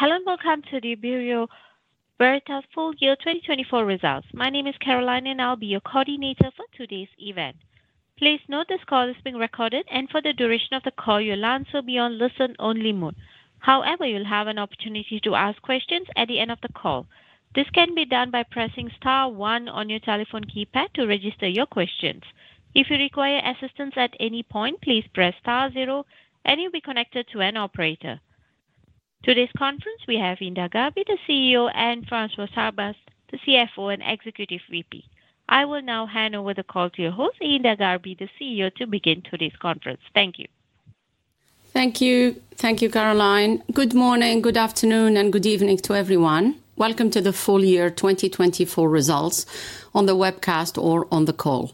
Hello and welcome to the Bureau Veritas Full Year 2024 results. My name is Caroline, and I'll be your coordinator for today's event. Please note this call is being recorded, and for the duration of the call, your lines will be on listen-only mode. However, you'll have an opportunity to ask questions at the end of the call. This can be done by pressing star one on your telephone keypad to register your questions. If you require assistance at any point, please press star zero, and you'll be connected to an operator. For today's conference, we have Hinda Gharbi, the CEO, and François Chabas, the CFO and Executive VP. I will now hand over the call to your host, Hinda Gharbi, the CEO, to begin today's conference. Thank you. Thank you. Thank you, Caroline. Good morning, good afternoon, and good evening to everyone. Welcome to the full year 2024 results on the webcast or on the call.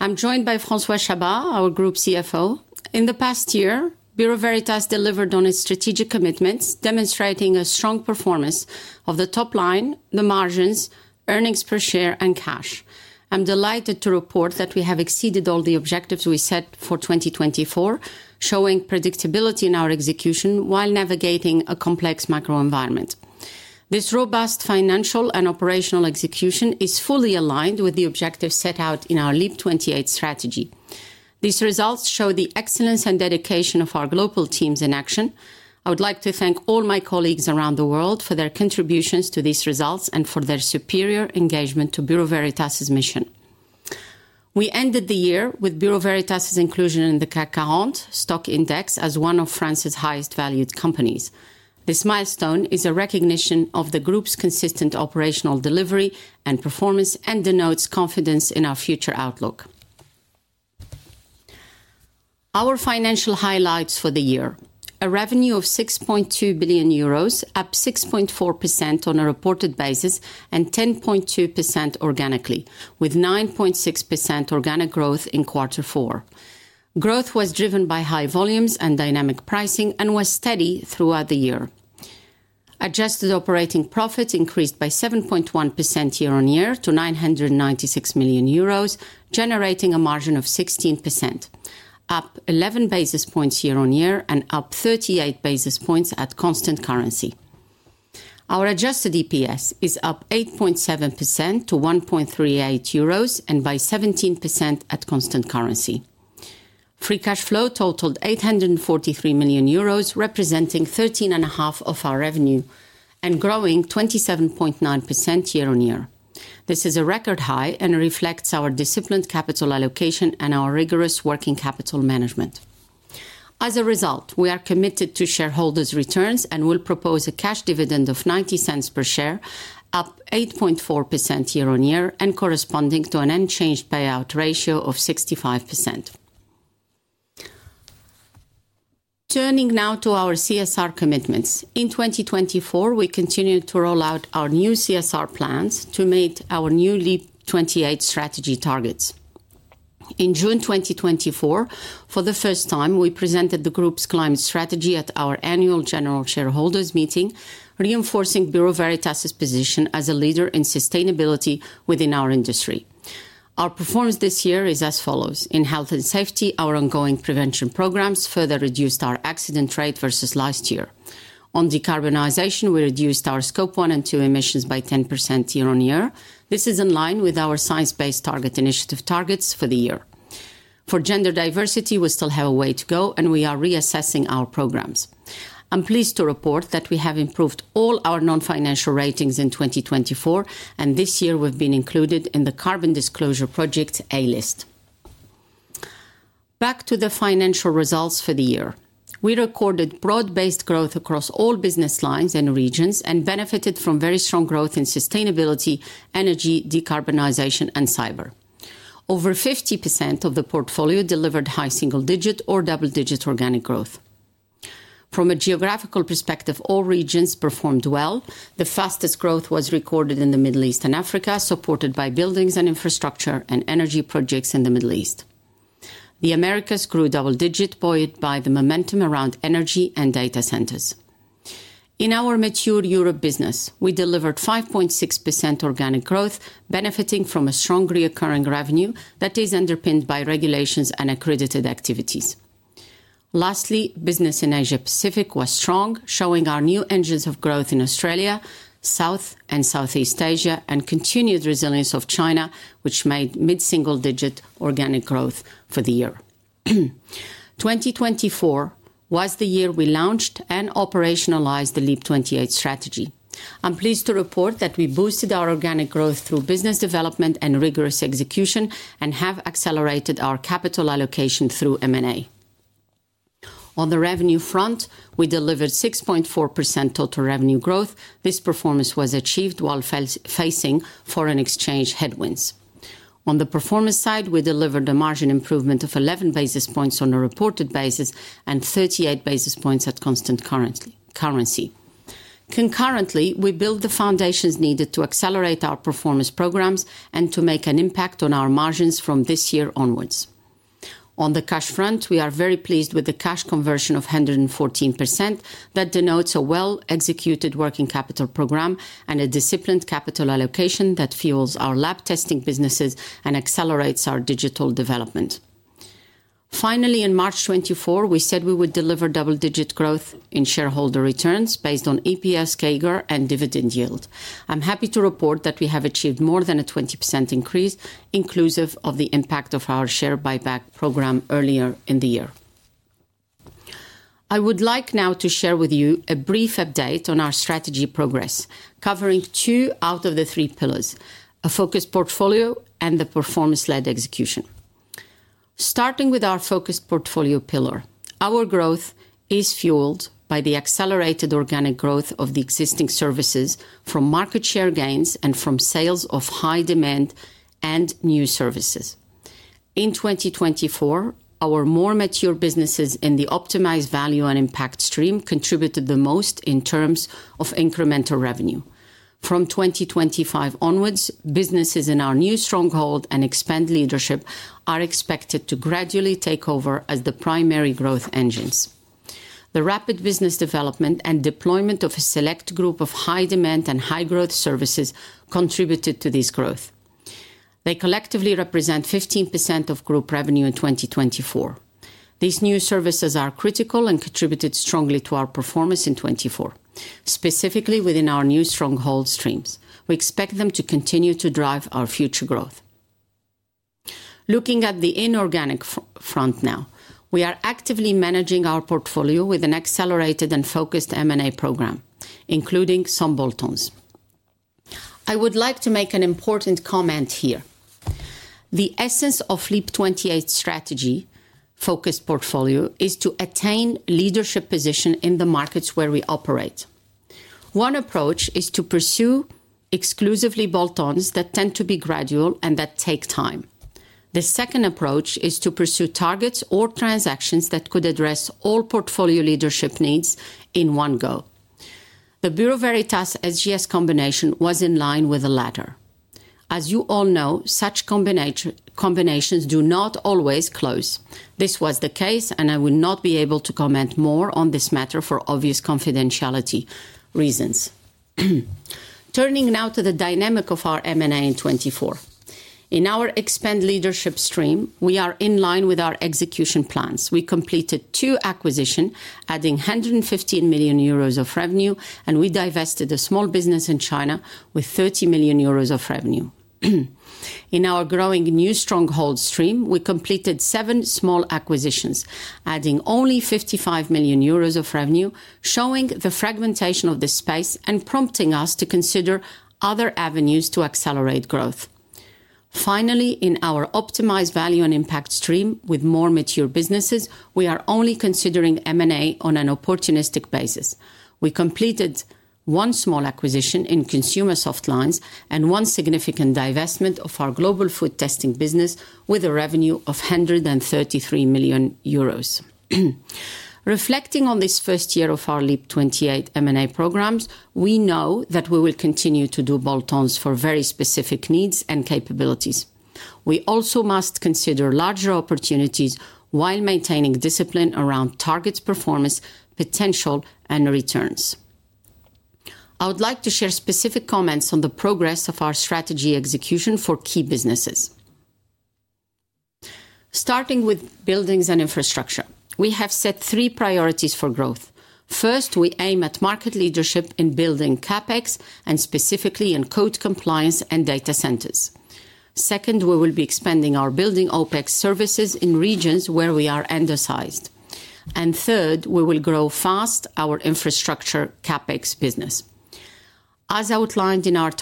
I'm joined by François Chabas, our Group CFO. In the past year, Bureau Veritas delivered on its strategic commitments, demonstrating a strong performance of the top line, the margins, earnings per share, and cash. I'm delighted to report that we have exceeded all the objectives we set for 2024, showing predictability in our execution while navigating a complex macro environment. This robust financial and operational execution is fully aligned with the objectives set out in our Leap 28 strategy. These results show the excellence and dedication of our global teams in action. I would like to thank all my colleagues around the world for their contributions to these results and for their superior engagement to Bureau Veritas' mission. We ended the year with Bureau Veritas' inclusion in the CAC 40 stock index as one of France's highest valued companies. This milestone is a recognition of the Group's consistent operational delivery and performance and denotes confidence in our future outlook. Our financial highlights for the year: a revenue of €6.2 billion, up 6.4% on a reported basis and 10.2% organically, with 9.6% organic growth in quarter four. Growth was driven by high volumes and dynamic pricing and was steady throughout the year. Adjusted operating profit increased by 7.1% year on year to €996 million, generating a margin of 16%, up 11 basis points year on year and up 38 basis points at constant currency. Our adjusted EPS is up 8.7% to €1.38 and by 17% at constant currency. Free cash flow totaled €843 million, representing 13.5% of our revenue and growing 27.9% year on year. This is a record high and reflects our disciplined capital allocation and our rigorous working capital management. As a result, we are committed to shareholders' returns and will propose a cash dividend of €0.90 per share, up 8.4% year on year and corresponding to an unchanged payout ratio of 65%. Turning now to our CSR commitments. In 2024, we continue to roll out our new CSR plans to meet our new Leap 28 strategy targets. In June 2024, for the first time, we presented the Group's climate strategy at our annual general shareholders meeting, reinforcing Bureau Veritas' position as a leader in sustainability within our Industry. Our performance this year is as follows: in health and safety, our ongoing prevention programs further reduced our accident rate versus last year. On decarbonization, we reduced our Scope 1 and 2 emissions by 10% year on year. This is in line with our Science Based Targets initiative targets for the year. For gender diversity, we still have a way to go, and we are reassessing our programs. I'm pleased to report that we have improved all our non-financial ratings in 2024, and this year we've been included in the Carbon Disclosure Project A list. Back to the financial results for the year. We recorded broad-based growth across all business lines and regions and benefited from very strong growth in sustainability, Energy, decarbonization, and cyber. Over 50% of the portfolio delivered high single-digit or double-digit organic growth. From a geographical perspective, all regions performed well. The fastest growth was recorded in the Middle East and Africa, supported by Buildings and Infrastructure and Energy projects in the Middle East. The Americas grew double-digit by the momentum around energy and data centers. In our mature Europe business, we delivered 5.6% organic growth, benefiting from a strong recurring revenue that is underpinned by regulations and accredited activities. Lastly, business in Asia Pacific was strong, showing our new engines of growth in Australia, South and Southeast Asia, and continued resilience of China, which made mid-single-digit organic growth for the year. 2024 was the year we launched and operationalized the Leap 28 strategy. I'm pleased to report that we boosted our organic growth through business development and rigorous execution and have accelerated our capital allocation through M&A. On the revenue front, we delivered 6.4% total revenue growth. This performance was achieved while facing foreign exchange headwinds. On the performance side, we delivered a margin improvement of 11 basis points on a reported basis and 38 basis points at constant currency. Concurrently, we built the foundations needed to accelerate our performance programs and to make an impact on our margins from this year onwards. On the cash front, we are very pleased with the cash conversion of 114% that denotes a well-executed working capital program and a disciplined capital allocation that fuels our lab testing businesses and accelerates our digital development. Finally, in March 2024, we said we would deliver double-digit growth in shareholder returns based on EPS, CAGR, and dividend yield. I'm happy to report that we have achieved more than a 20% increase, inclusive of the impact of our share buyback program earlier in the year. I would like now to share with you a brief update on our strategy progress, covering two out of the three pillars: a focused portfolio and the performance-led execution. Starting with our focused portfolio pillar, our growth is fueled by the accelerated organic growth of the existing services from market share gains and from sales of high demand and new services. In 2024, our more mature businesses in the Optimized Value & Impact stream contributed the most in terms of incremental revenue. From 2025 onwards, businesses in our New Stronghold and Expanded Leadership are expected to gradually take over as the primary growth engines. The rapid business development and deployment of a select group of high-demand and high-growth services contributed to this growth. They collectively represent 15% of group revenue in 2024. These new services are critical and contributed strongly to our performance in 2024, specifically within our New Stronghold streams. We expect them to continue to drive our future growth. Looking at the inorganic front now, we are actively managing our portfolio with an accelerated and focused M&A program, including some bolt-ons. I would like to make an important comment here. The essence of the Leap 28 strategy focused portfolio is to attain leadership positions in the markets where we operate. One approach is to pursue exclusively bolt-ons that tend to be gradual and that take time. The second approach is to pursue targets or transactions that could address all portfolio leadership needs in one go. The Bureau Veritas SGS combination was in line with the latter. As you all know, such combinations do not always close. This was the case, and I will not be able to comment more on this matter for obvious confidentiality reasons. Turning now to the dynamic of our M&A in 2024. In our Expanded Leadership stream, we are in line with our execution plans. We completed two acquisitions, adding €115 million of revenue, and we divested a small business in China with €30 million of revenue. In our growing New Stronghold stream, we completed seven small acquisitions, adding only €55 million of revenue, showing the fragmentation of the space and prompting us to consider other avenues to accelerate growth. Finally, in our Optimized Value & Impact stream with more mature businesses, we are only considering M&A on an opportunistic basis. We completed one small acquisition in Consumer Softlines and one significant divestment of our global food testing business with a revenue of €133 million. Reflecting on this first year of our Leap 28 M&A programs, we know that we will continue to do bolt-ons for very specific needs and capabilities. We also must consider larger opportunities while maintaining discipline around targets, performance, potential, and returns. I would like to share specific comments on the progress of our strategy execution for key businesses. Starting with Buildings and Infrastructure, we have set three priorities for growth. First, we aim at market leadership in building CapEx and specifically in code compliance and data centers. Second, we will be expanding our building OpEx services in regions where we are undersized. And third, we will grow fast our infrastructure CapEx business. As outlined in our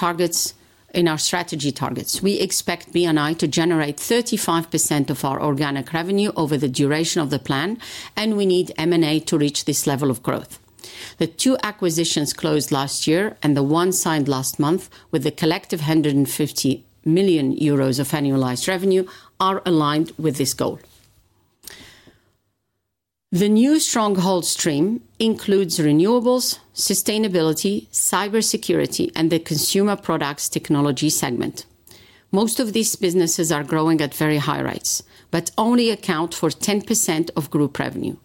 strategy targets, we expect B&I to generate 35% of our organic revenue over the duration of the plan, and we need M&A to reach this level of growth. The two acquisitions closed last year and the one signed last month with a collective €150 million of annualized revenue are aligned with this goal. The New Stronghold stream includes renewables, sustainability, cybersecurity, and the Consumer Products Technology segment. Most of these businesses are growing at very high rates, but only account for 10% of group revenue.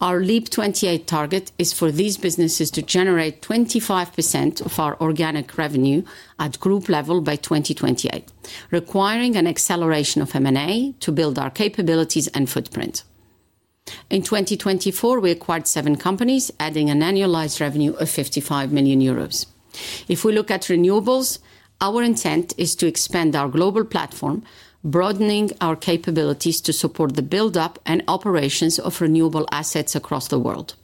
Our Leap 28 target is for these businesses to generate 25% of our organic revenue at group level by 2028, requiring an acceleration of M&A to build our capabilities and footprint. In 2024, we acquired seven companies, adding an annualized revenue of 55 million euros. If we look at renewables, our intent is to expand our global platform, broadening our capabilities to support the build-up and operations of renewable assets across the world.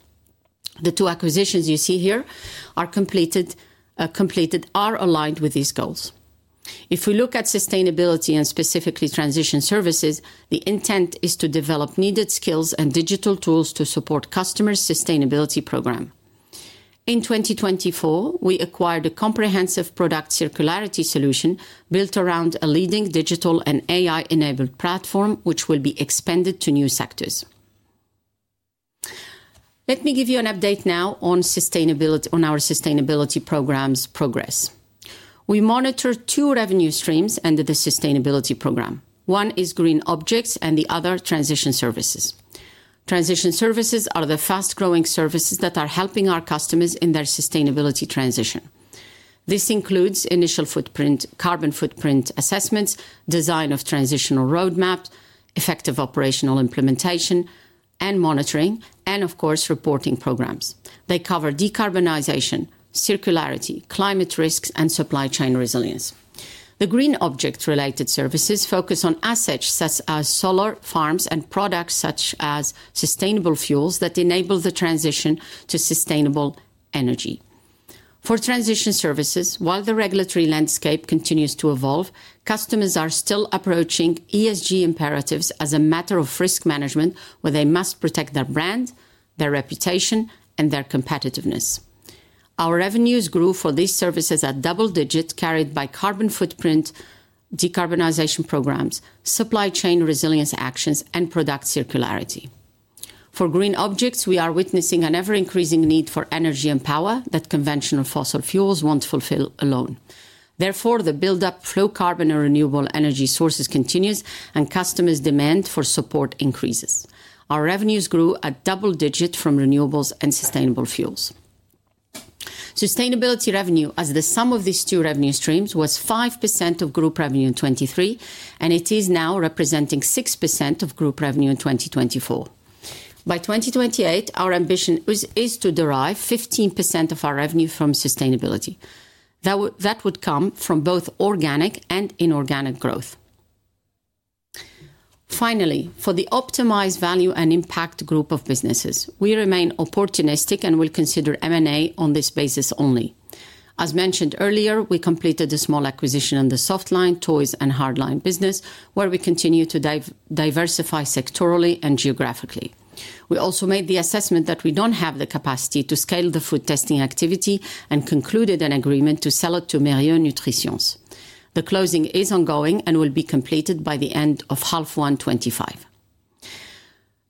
The two acquisitions you see here are completed, are aligned with these goals. If we look at sustainability and specifically Transition Services, the intent is to develop needed skills and digital tools to support customers' sustainability program. In 2024, we acquired a comprehensive product circularity solution built around a leading digital and AI-enabled platform, which will be expanded to new sectors. Let me give you an update now on our sustainability program's progress. We monitor two revenue streams under the sustainability program. One is Green Objects and the other Transition Services. Transition services are the fast-growing services that are helping our customers in their sustainability transition. This includes initial footprint, carbon footprint assessments, design of transitional roadmaps, effective operational implementation, and monitoring, and of course, reporting programs. They cover decarbonization, circularity, climate risks, and supply chain resilience. The green object-related services focus on assets such as solar farms and products such as sustainable fuels that enable the transition to sustainable energy. For Transition Services, while the regulatory landscape continues to evolve, customers are still approaching ESG imperatives as a matter of risk management, where they must protect their brand, their reputation, and their competitiveness. Our revenues grew for these services at double digits, carried by carbon footprint, decarbonization programs, supply chain resilience actions, and product circularity. For Green Objects, we are witnessing an ever-increasing need for energy and power that conventional fossil fuels won't fulfill alone. Therefore, the build-up of low carbon and renewable energy sources continues, and customers' demand for support increases. Our revenues grew at double digits from renewables and sustainable fuels. Sustainability revenue, as the sum of these two revenue streams, was 5% of group revenue in 2023, and it is now representing 6% of group revenue in 2024. By 2028, our ambition is to derive 15% of our revenue from sustainability. That would come from both organic and inorganic growth. Finally, for the Optimized Value & Impact group of businesses, we remain opportunistic and will consider M&A on this basis only. As mentioned earlier, we completed a small acquisition on the Softlines, Toys, and Hardlines business, where we continue to diversify sectorally and geographically. We also made the assessment that we don't have the capacity to scale the food testing activity and concluded an agreement to sell it to Mérieux NutriSciences. The closing is ongoing and will be completed by the end of H1 2025.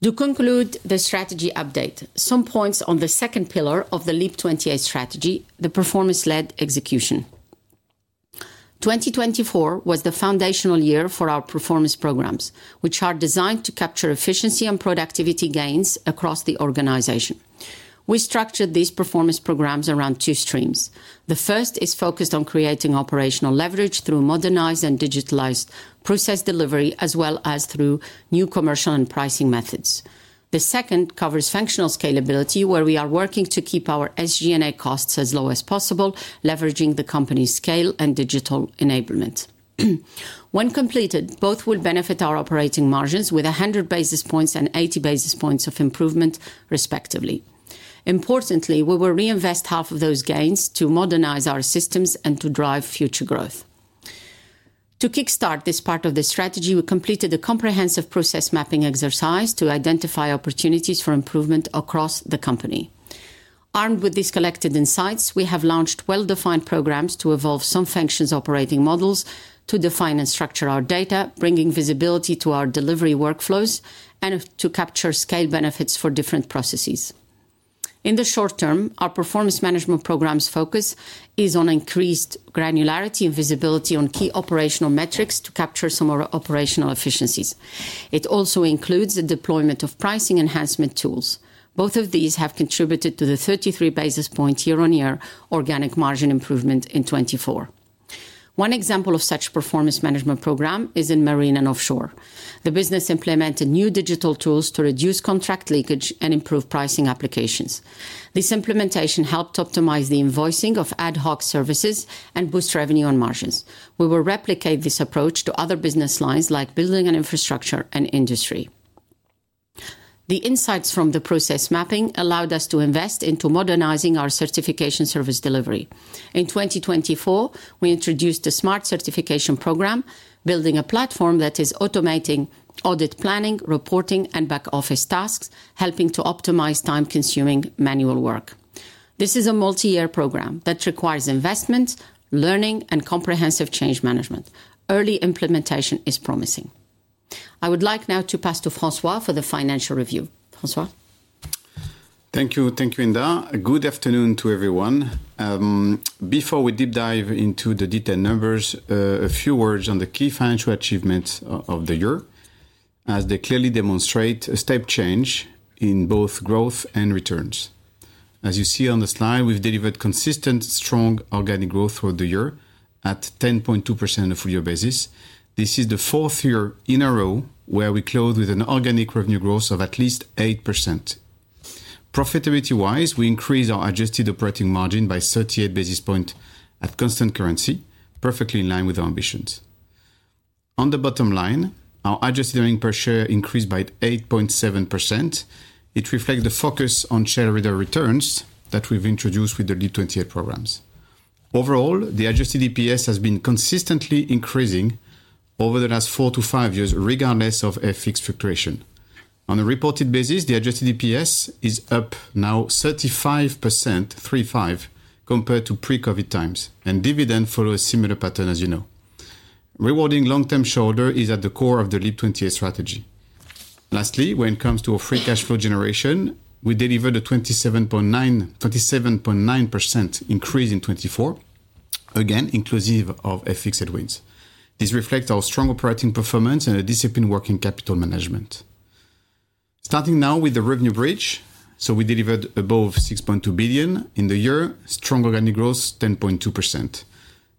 To conclude the strategy update, some points on the second pillar of the Leap 28 strategy, the performance-led execution. 2024 was the foundational year for our performance programs, which are designed to capture efficiency and productivity gains across the organization. We structured these performance programs around two streams. The first is focused on creating operational leverage through modernized and digitalized process delivery, as well as through new commercial and pricing methods. The second covers functional scalability, where we are working to keep our SG&A costs as low as possible, leveraging the company's scale and digital enablement. When completed, both will benefit our operating margins with 100 basis points and 80 basis points of improvement, respectively. Importantly, we will reinvest half of those gains to modernize our systems and to drive future growth. To kickstart this part of the strategy, we completed a comprehensive process mapping exercise to identify opportunities for improvement across the company. Armed with these collected insights, we have launched well-defined programs to evolve some functions' operating models, to define and structure our data, bringing visibility to our delivery workflows, and to capture scale benefits for different processes. In the short term, our performance management program's focus is on increased granularity and visibility on key operational metrics to capture some of our operational efficiencies. It also includes the deployment of pricing enhancement tools. Both of these have contributed to the 33 basis points year-on-year organic margin improvement in 2024. One example of such performance management program is in Marine & Offshore. The business implemented new digital tools to reduce contract leakage and improve pricing applications. This implementation helped optimize the invoicing of ad hoc services and boost revenue on margins. We will replicate this approach to other business lines like building and infrastructure and Industry. The insights from the process mapping allowed us to invest into modernizing our Certification service delivery. In 2024, we introduced the Smart Certification program, building a platform that is automating audit planning, reporting, and back-office tasks, helping to optimize time-consuming manual work. This is a multi-year program that requires investment, learning, and comprehensive change management. Early implementation is promising. I would like now to pass to François for the financial review. François. Thank you. Thank you, Hinda. Good afternoon to everyone. Before we deep dive into the detailed numbers, a few words on the key financial achievements of the year, as they clearly demonstrate a step change in both growth and returns. As you see on the slide, we've delivered consistent, strong organic growth throughout the year at 10.2% on a real basis. This is the fourth year in a row where we closed with an organic revenue growth of at least 8%. Profitability-wise, we increased our adjusted operating margin by 38 basis points at constant currency, perfectly in line with our ambitions. On the bottom line, our adjusted earnings per share increased by 8.7%. It reflects the focus on shareholder returns that we've introduced with the Leap 28 programs. Overall, the adjusted EPS has been consistently increasing over the last four to five years, regardless of a FX fluctuation. On a reported basis, the adjusted EPS is up now 35%, 3.5% compared to pre-COVID times, and dividends follow a similar pattern, as you know. Rewarding long-term shareholders is at the core of the Leap 28 strategy. Lastly, when it comes to our free cash flow generation, we delivered a 27.9% increase in 2024, again inclusive of FX headwinds. This reflects our strong operating performance and a disciplined working capital management. Starting now with the revenue bridge, so we delivered above 6.2 billion in the year, strong organic growth, 10.2%.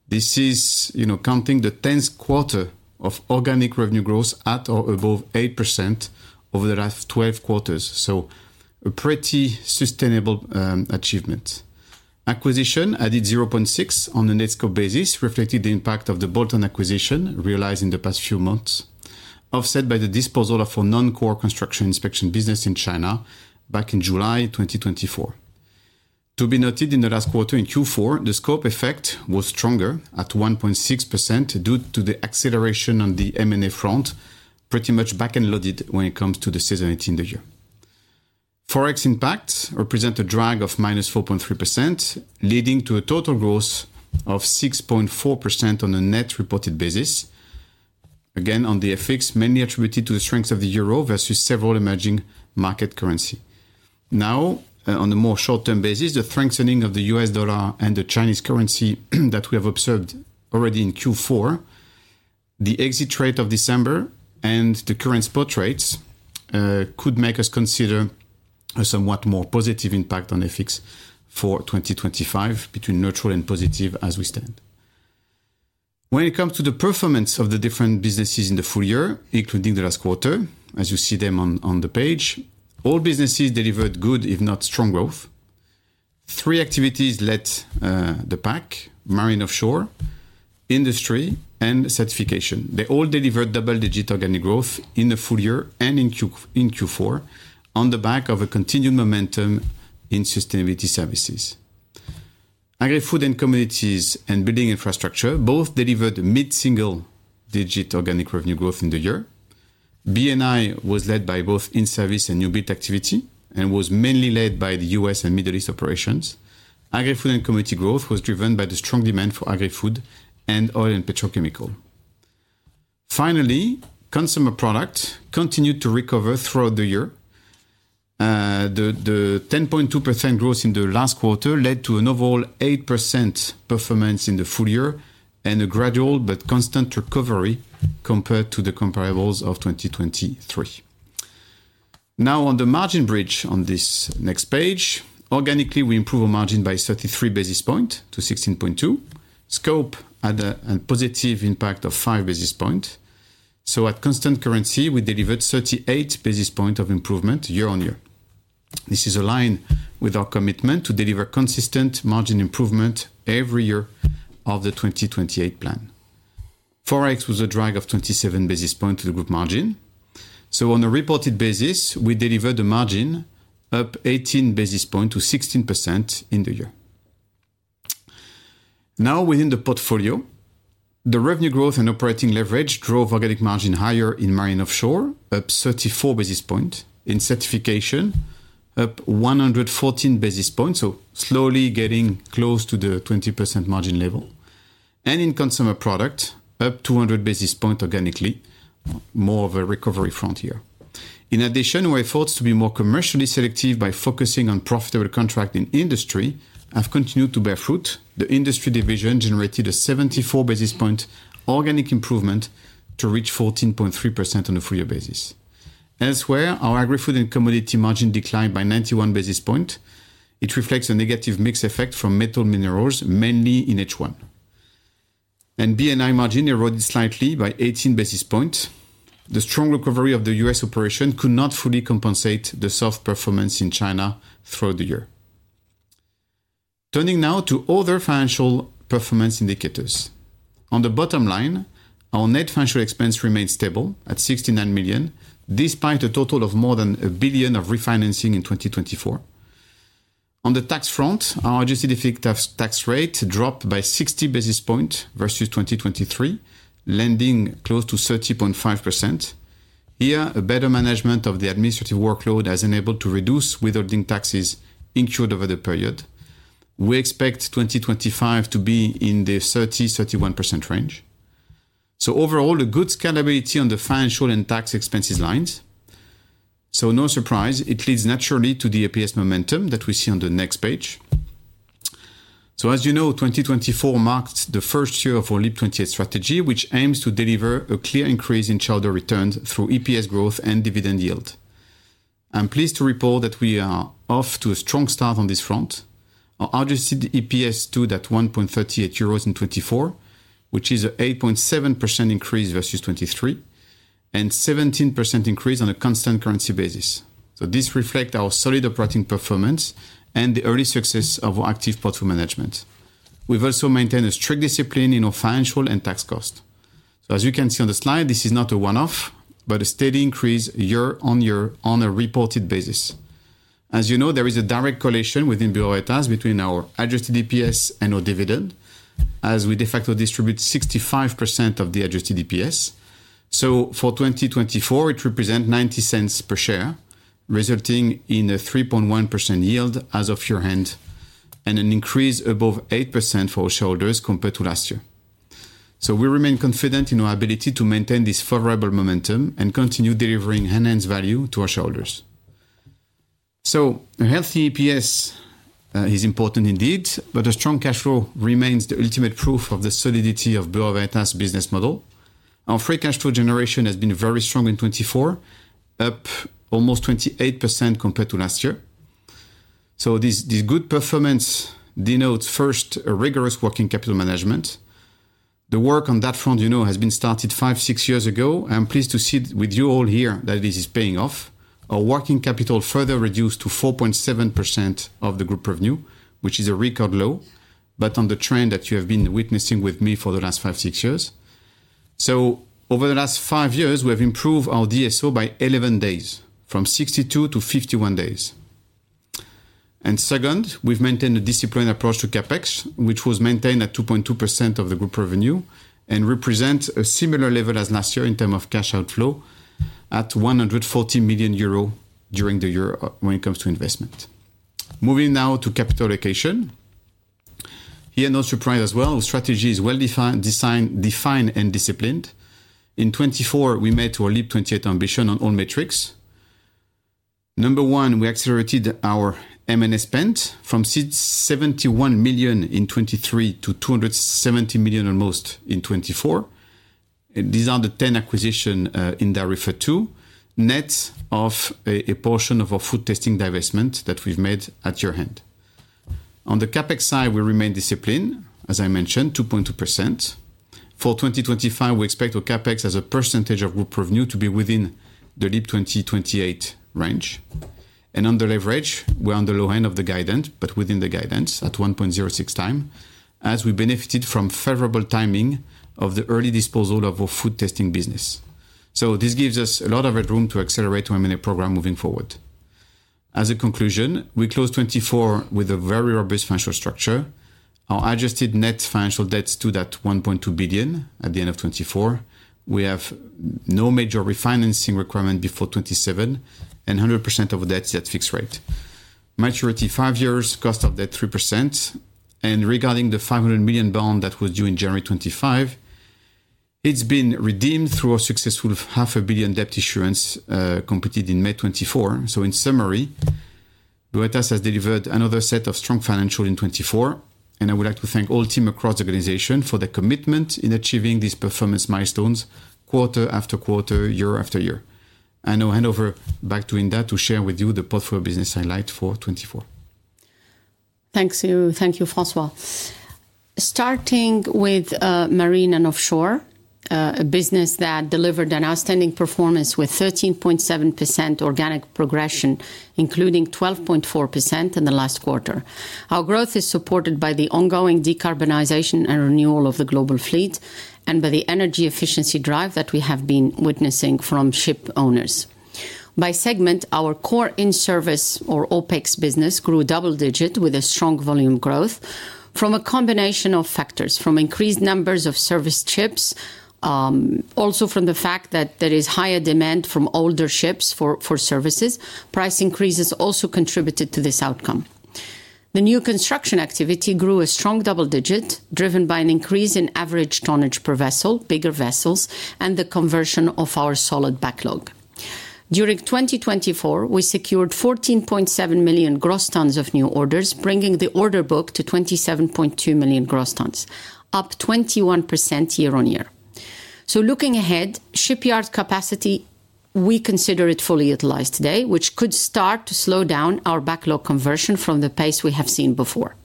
This is counting the 10th quarter of organic revenue growth at or above 8% over the last 12 quarters, so a pretty sustainable achievement. Acquisition added 0.6% on a net scope basis, reflecting the impact of the bolt-on acquisition realized in the past few months, offset by the disposal of a non-core construction inspection business in China back in July 2024. To be noted, in the last quarter in Q4, the scope effect was stronger at 1.6% due to the acceleration on the M&A front, pretty much back-loaded when it comes to the seasonality in the year. Forex impacts represent a drag of minus 4.3%, leading to a total growth of 6.4% on a net reported basis, again on the FX mainly attributed to the strength of the euro versus several emerging market currencies. Now, on a more short-term basis, the strengthening of the U.S. dollar and the Chinese currency that we have observed already in Q4, the exit rate of December, and the current spot rates could make us consider a somewhat more positive impact on FX for 2025, between neutral and positive as we stand. When it comes to the performance of the different businesses in the full year, including the last quarter, as you see them on the page, all businesses delivered good, if not strong growth. Three activities led the pack: marine offshore, Industry, and Certification. They all delivered double-digit organic growth in the full year and in Q4 on the back of a continued momentum in sustainability services. Agri-Food & Commodities and Buildings & Infrastructure both delivered mid-single digit organic revenue growth in the year. B&I was led by both in-service and new bid activity and was mainly led by the U.S. and Middle East operations. Agri-Food and Commodities growth was driven by the strong demand for Agri-Food and oil and petrochemical. Finally, Consumer Products continued to recover throughout the year. The 10.2% growth in the last quarter led to an overall 8% performance in the full year and a gradual but constant recovery compared to the comparable of 2023. Now, on the margin bridge on this next page, organically, we improved our margin by 33 basis points to 16.2%. Scope had a positive impact of 5 basis points. So, at constant currency, we delivered 38 basis points of improvement year-on-year. This is aligned with our commitment to deliver consistent margin improvement every year of the 2028 plan. Forex was a drag of 27 basis points to the group margin. On a reported basis, we delivered the margin up 18 basis points to 16% in the year. Now, within the portfolio, the revenue growth and operating leverage drove organic margin higher in Marine & Offshore, up 34 basis points. In Certification, up 114 basis points, so slowly getting close to the 20% margin level. And in Consumer Products, up 200 basis points organically, more of a recovery from last year. In addition, our efforts to be more commercially selective by focusing on profitable contracting Industry have continued to bear fruit. The Industry division generated a 74 basis point organic improvement to reach 14.3% on a full year basis. Elsewhere, our Agri-Food & Commodities margin declined by 91 basis points. It reflects a negative mix effect from metal minerals, mainly in H1. B&I margin eroded slightly by 18 basis points. The strong recovery of the U.S. operation could not fully compensate the soft performance in China throughout the year. Turning now to other financial performance indicators. On the bottom line, our net financial expense remained stable at €69 million, despite a total of more than €1 billion of refinancing in 2024. On the tax front, our adjusted effective tax rate dropped by 60 basis points versus 2023, landing close to 30.5%. Here, a better management of the administrative workload has enabled us to reduce withholding taxes incurred over the period. We expect 2025 to be in the 30-31% range. So, overall, a good scalability on the financial and tax expenses lines. So, no surprise, it leads naturally to the EPS momentum that we see on the next page. As you know, 2024 marked the first year of our Leap 28 strategy, which aims to deliver a clear increase in shareholder returns through EPS growth and dividend yield. I'm pleased to report that we are off to a strong start on this front. Our adjusted EPS stood at 1.38 euros in 2024, which is an 8.7% increase versus 2023, and a 17% increase on a constant currency basis. This reflects our solid operating performance and the early success of our active portfolio management. We've also maintained a strict discipline in our financial and tax cost. As you can see on the slide, this is not a one-off, but a steady increase year-on-year on a reported basis. As you know, there is a direct correlation within Bureau Veritas between our adjusted EPS and our dividend, as we de facto distribute 65% of the adjusted EPS. For 2024, it represents €0.90 per share, resulting in a 3.1% yield as of year-end and an increase above 8% for our shareholders compared to last year. We remain confident in our ability to maintain this favorable momentum and continue delivering enhanced value to our shareholders. A healthy EPS is important indeed, but a strong cash flow remains the ultimate proof of the solidity of Bureau Veritas' business model. Our free cash flow generation has been very strong in 24, up almost 28% compared to last year. This good performance denotes, first, a rigorous working capital management. The work on that front, you know, has been started five, six years ago, and I'm pleased to see with you all here that this is paying off. Our working capital further reduced to 4.7% of the group revenue, which is a record low, but on the trend that you have been witnessing with me for the last five, six years. So, over the last five years, we have improved our DSO by 11 days, from 62 to 51 days. And second, we've maintained a disciplined approach to CapEx, which was maintained at 2.2% of the group revenue and represents a similar level as last year in terms of cash outflow at 140 million euro during the year when it comes to investment. Moving now to capital allocation. Here, no surprise as well, our strategy is well defined and disciplined. In 2024, we met our Leap 28 ambition on all metrics. Number one, we accelerated our M&A spend from 71 million in 2023 to almost 270 million in 2024. These are the 10 acquisitions Hinda referred to, net of a portion of our food testing divestment that we've made at year-end. On the CapEx side, we remain disciplined, as I mentioned, 2.2%. For 2025, we expect our CapEx as a percentage of group revenue to be within the Leap 28 range and under leverage, we're on the low end of the guidance, but within the guidance at 1.06 time, as we benefited from favorable timing of the early disposal of our food testing business, so this gives us a lot of headroom to accelerate our M&A program moving forward. As a conclusion, we close 24 with a very robust financial structure. Our adjusted net financial debt stood at €1.2 billion at the end of 2024. We have no major refinancing requirement before 2027 and 100% of the debt is at fixed rate. Maturity five years, cost of debt 3%. Regarding the €500 million bond that was due in January 2025, it's been redeemed through a successful €500 million debt issuance completed in May 2024. In summary, Bureau Veritas has delivered another set of strong financials in 2024. I would like to thank all teams across the organization for their commitment in achieving these performance milestones quarter after quarter, year after year. I now hand over back to Hinda to share with you the portfolio business highlight for 2024. Thanks to you. Thank you, François. Starting with Marine & Offshore, a business that delivered an outstanding performance with 13.7% organic progression, including 12.4% in the last quarter. Our growth is supported by the ongoing decarbonization and renewal of the global fleet and by the energy efficiency drive that we have been witnessing from ship owners. By segment, our core in-service, or OPEX, business grew double-digit with a strong volume growth from a combination of factors, from increased numbers of service ships, also from the fact that there is higher demand from older ships for services. Price increases also contributed to this outcome. The new construction activity grew a strong double-digit, driven by an increase in average tonnage per vessel, bigger vessels, and the conversion of our solid backlog. During 2024, we secured 14.7 million gross tons of new orders, bringing the order book to 27.2 million gross tons, up 21% year-on-year. Looking ahead, shipyard capacity, we consider it fully utilized today, which could start to slow down our backlog conversion from the pace we have seen before.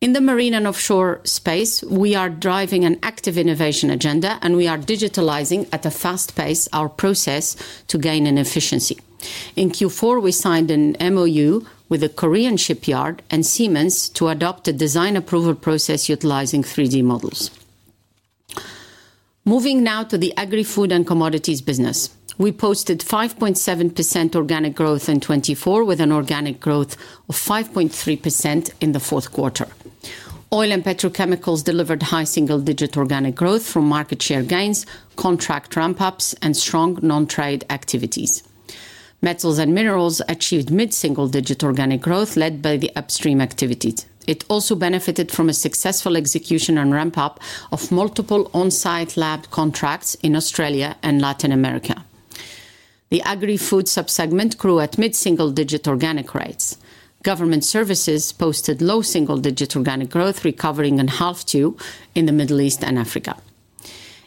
In the Marine & Offshore space, we are driving an active innovation agenda, and we are digitalizing at a fast pace our process to gain in efficiency. In Q4, we signed an MoU with a Korean shipyard and Siemens to adopt a design approval process utilizing 3D models. Moving now to the Agri-Food and commodities business. We posted 5.7% organic growth in 2024, with an organic growth of 5.3% in the fourth quarter. Oil and petrochemicals delivered high single-digit organic growth from market share gains, contract ramp-ups, and strong non-trade activities. Metals and minerals achieved mid-single-digit organic growth led by the upstream activities. It also benefited from a successful execution and ramp-up of multiple on-site lab contracts in Australia and Latin America. The Agri-Food subsegment grew at mid-single-digit organic rates. Government services posted low single-digit organic growth, recovering in the second half in the Middle East and Africa.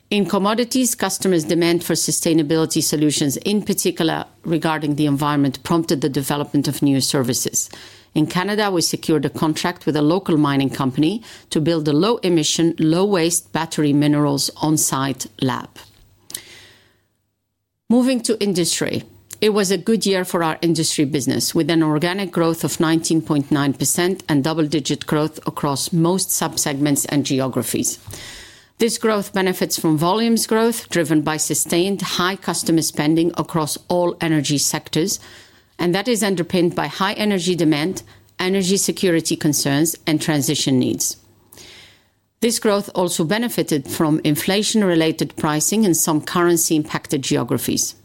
In commodities, customers' demand for sustainability solutions, in particular regarding the environment, prompted the development of new services. In Canada, we secured a contract with a local mining company to build a low-emission, low-waste battery minerals on-site lab. Moving to Industry, it was a good year for our Industry business with an organic growth of 19.9% and double-digit growth across most subsegments and geographies. This growth benefits from volumes growth driven by sustained high customer spending across all energy sectors, and that is underpinned by high energy demand, energy security concerns, and transition needs. This growth also benefited from inflation-related pricing in some currency-impacted geographies.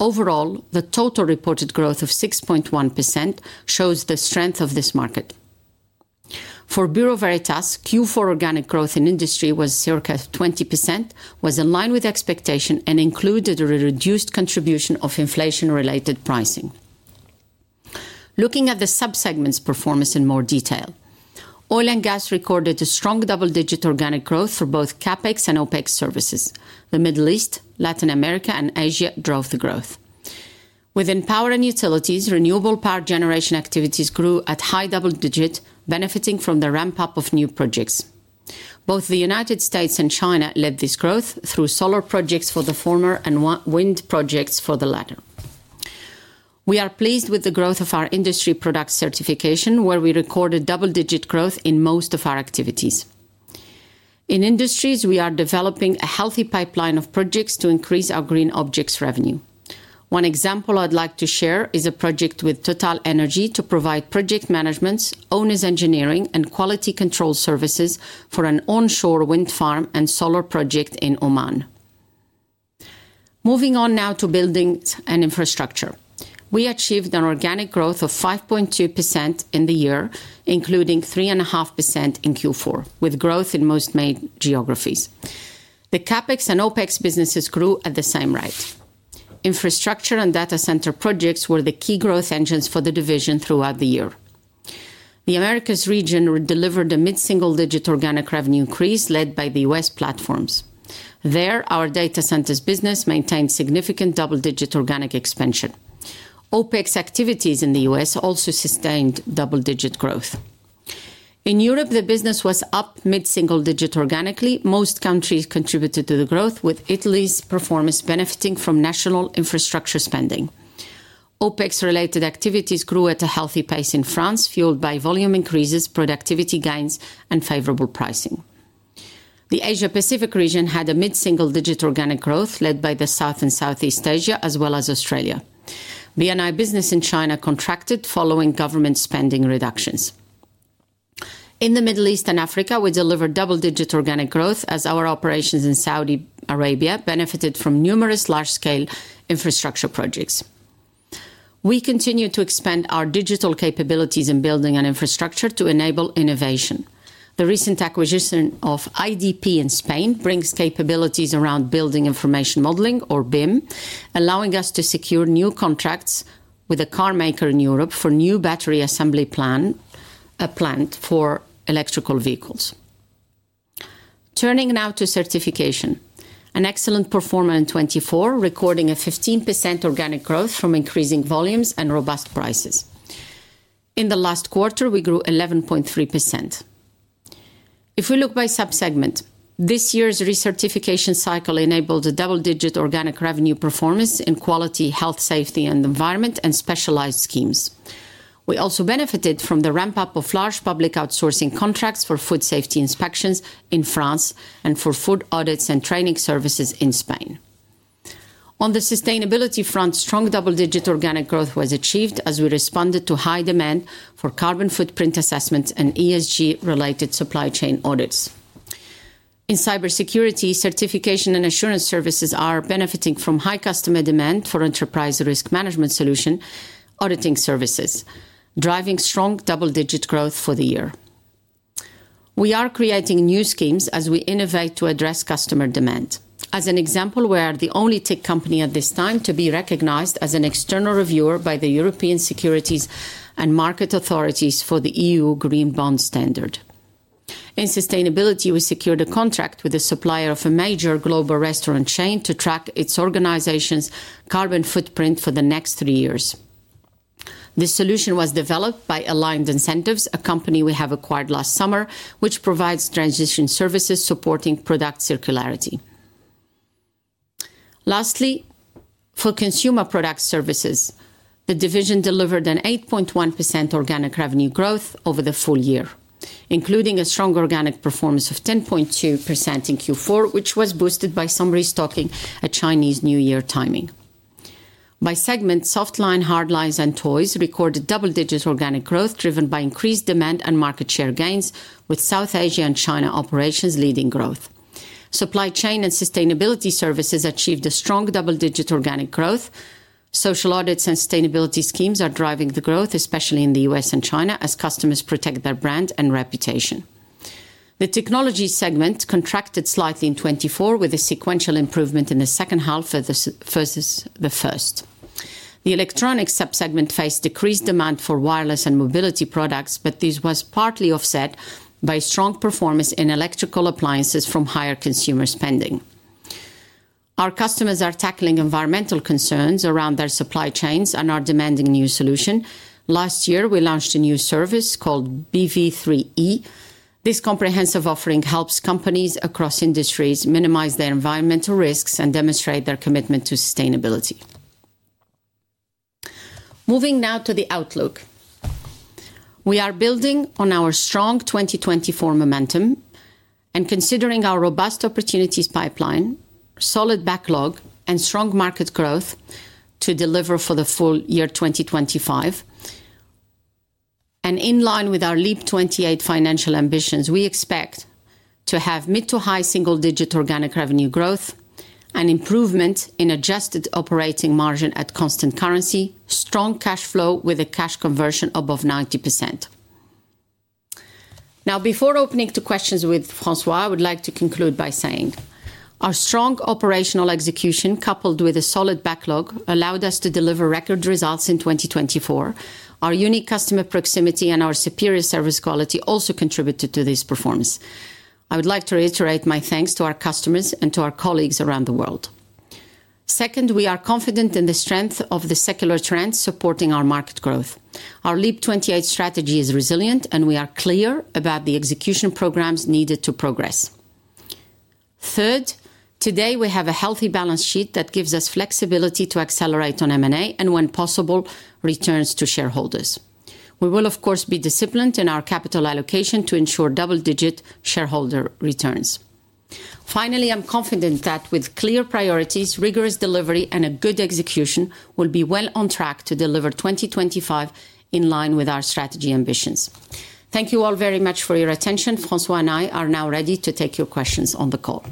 Overall, the total reported growth of 6.1% shows the strength of this market. For Bureau Veritas, Q4 organic growth in Industry was circa 20%, was in line with expectation, and included a reduced contribution of inflation-related pricing. Looking at the subsegments' performance in more detail, oil and gas recorded a strong double-digit organic growth for both CapEx and OpEx services. The Middle East, Latin America, and Asia drove the growth. Within power and utilities, renewable power generation activities grew at high double-digit, benefiting from the ramp-up of new projects. Both the United States and China led this growth through solar projects for the former and wind projects for the latter. We are pleased with the growth of our Industry product Certification, where we recorded double-digit growth in most of our activities. In industries, we are developing a healthy pipeline of projects to increase our green assets revenue. One example I'd like to share is a project with TotalEnergies to provide project management, owner's engineering, and quality control services for an onshore wind farm and solar project in Oman. Moving on now to buildings and infrastructure. We achieved an organic growth of 5.2% in the year, including 3.5% in Q4, with growth in most main geographies. The CapEx and OpEx businesses grew at the same rate. Infrastructure and data center projects were the key growth engines for the division throughout the year. The Americas region delivered a mid-single-digit organic revenue increase led by the U.S. platforms. There, our data centers business maintained significant double-digit organic expansion. OpEx activities in the U.S. also sustained double-digit growth. In Europe, the business was up mid-single-digit organically. Most countries contributed to the growth, with Italy's performance benefiting from national infrastructure spending. OpEx-related activities grew at a healthy pace in France, fueled by volume increases, productivity gains, and favorable pricing. The Asia-Pacific region had a mid-single-digit organic growth led by the South and Southeast Asia, as well as Australia. B&I business in China contracted following government spending reductions. In the Middle East and Africa, we delivered double-digit organic growth as our operations in Saudi Arabia benefited from numerous large-scale infrastructure projects. We continue to expand our digital capabilities in building and infrastructure to enable innovation. The recent acquisition of IDP in Spain brings capabilities around Building Information Modeling, or BIM, allowing us to secure new contracts with a car maker in Europe for a new battery assembly plant for electric vehicles. Turning now to Certification, an excellent performer in 2024, recording 15% organic growth from increasing volumes and robust prices. In the last quarter, we grew 11.3%. If we look by subsegment, this year's reCertification cycle enabled a double-digit organic revenue performance in quality, health, safety, and environment, and specialized schemes. We also benefited from the ramp-up of large public outsourcing contracts for food safety inspections in France and for food audits and training services in Spain. On the sustainability front, strong double-digit organic growth was achieved as we responded to high demand for carbon footprint assessments and ESG-related supply chain audits. In cybersecurity, Certification and assurance services are benefiting from high customer demand for enterprise risk management solution auditing services, driving strong double-digit growth for the year. We are creating new schemes as we innovate to address customer demand. As an example, we are the only tech company at this time to be recognized as an external reviewer by the European Securities and Markets Authority for the EU Green Bond Standard. In sustainability, we secured a contract with a supplier of a major global restaurant chain to track its organization's carbon footprint for the next three years. This solution was developed by Aligned Incentives, a company we have acquired last summer, which provides Transition Services supporting product circularity. Lastly, for Consumer Products, the division delivered an 8.1% organic revenue growth over the full year, including a strong organic performance of 10.2% in Q4, which was boosted by some restocking at Chinese New Year timing. By segment, Softlines, Hardlines, and Toys recorded double-digit organic growth driven by increased demand and market share gains, with South Asia and China operations leading growth. Supply chain and sustainability services achieved a strong double-digit organic growth. Social audits and sustainability schemes are driving the growth, especially in the U.S. and China, as customers protect their brand and reputation. The technology segment contracted slightly in 2024, with a sequential improvement in the second half versus the first. The electronics subsegment faced decreased demand for wireless and mobility products, but this was partly offset by strong performance in electrical appliances from higher consumer spending. Our customers are tackling environmental concerns around their supply chains and are demanding new solutions. Last year, we launched a new service called BV3E. This comprehensive offering helps companies across industries minimize their environmental risks and demonstrate their commitment to sustainability. Moving now to the outlook. We are building on our strong 2024 momentum and considering our robust opportunities pipeline, solid backlog, and strong market growth to deliver for the full year 2025, and in line with our Leap 28 financial ambitions, we expect to have mid to high single-digit organic revenue growth and improvement in adjusted operating margin at constant currency, strong cash flow with a cash conversion above 90%. Now, before opening to questions with François, I would like to conclude by saying our strong operational execution, coupled with a solid backlog, allowed us to deliver record results in 2024. Our unique customer proximity and our superior service quality also contributed to this performance. I would like to reiterate my thanks to our customers and to our colleagues around the world. Second, we are confident in the strength of the secular trends supporting our market growth. Our Leap 28 strategy is resilient, and we are clear about the execution programs needed to progress. Third, today we have a healthy balance sheet that gives us flexibility to accelerate on M&A and, when possible, returns to shareholders. We will, of course, be disciplined in our capital allocation to ensure double-digit shareholder returns. Finally, I'm confident that with clear priorities, rigorous delivery, and a good execution, we'll be well on track to deliver 2025 in line with our strategy ambitions. Thank you all very much for your attention. François and I are now ready to take your questions on the call.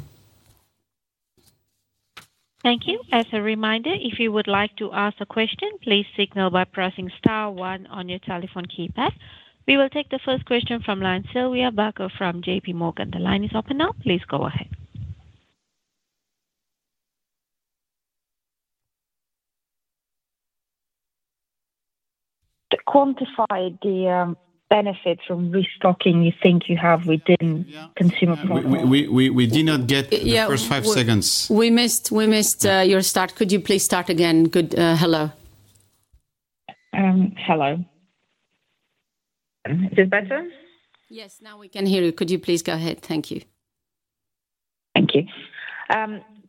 Thank you. As a reminder, if you would like to ask a question, please signal by pressing star one on your telephone keypad. We will take the first question from Sylvia Barker from J.P. Morgan. The line is open now. Please go ahead. To quantify the benefits of restocking you think you have within Consumer Products. We did not get the first five seconds. We missed your start. Could you please start again? Good. Hello. Hello. Is this better? Yes, now we can hear you. Could you please go ahead? Thank you. Thank you.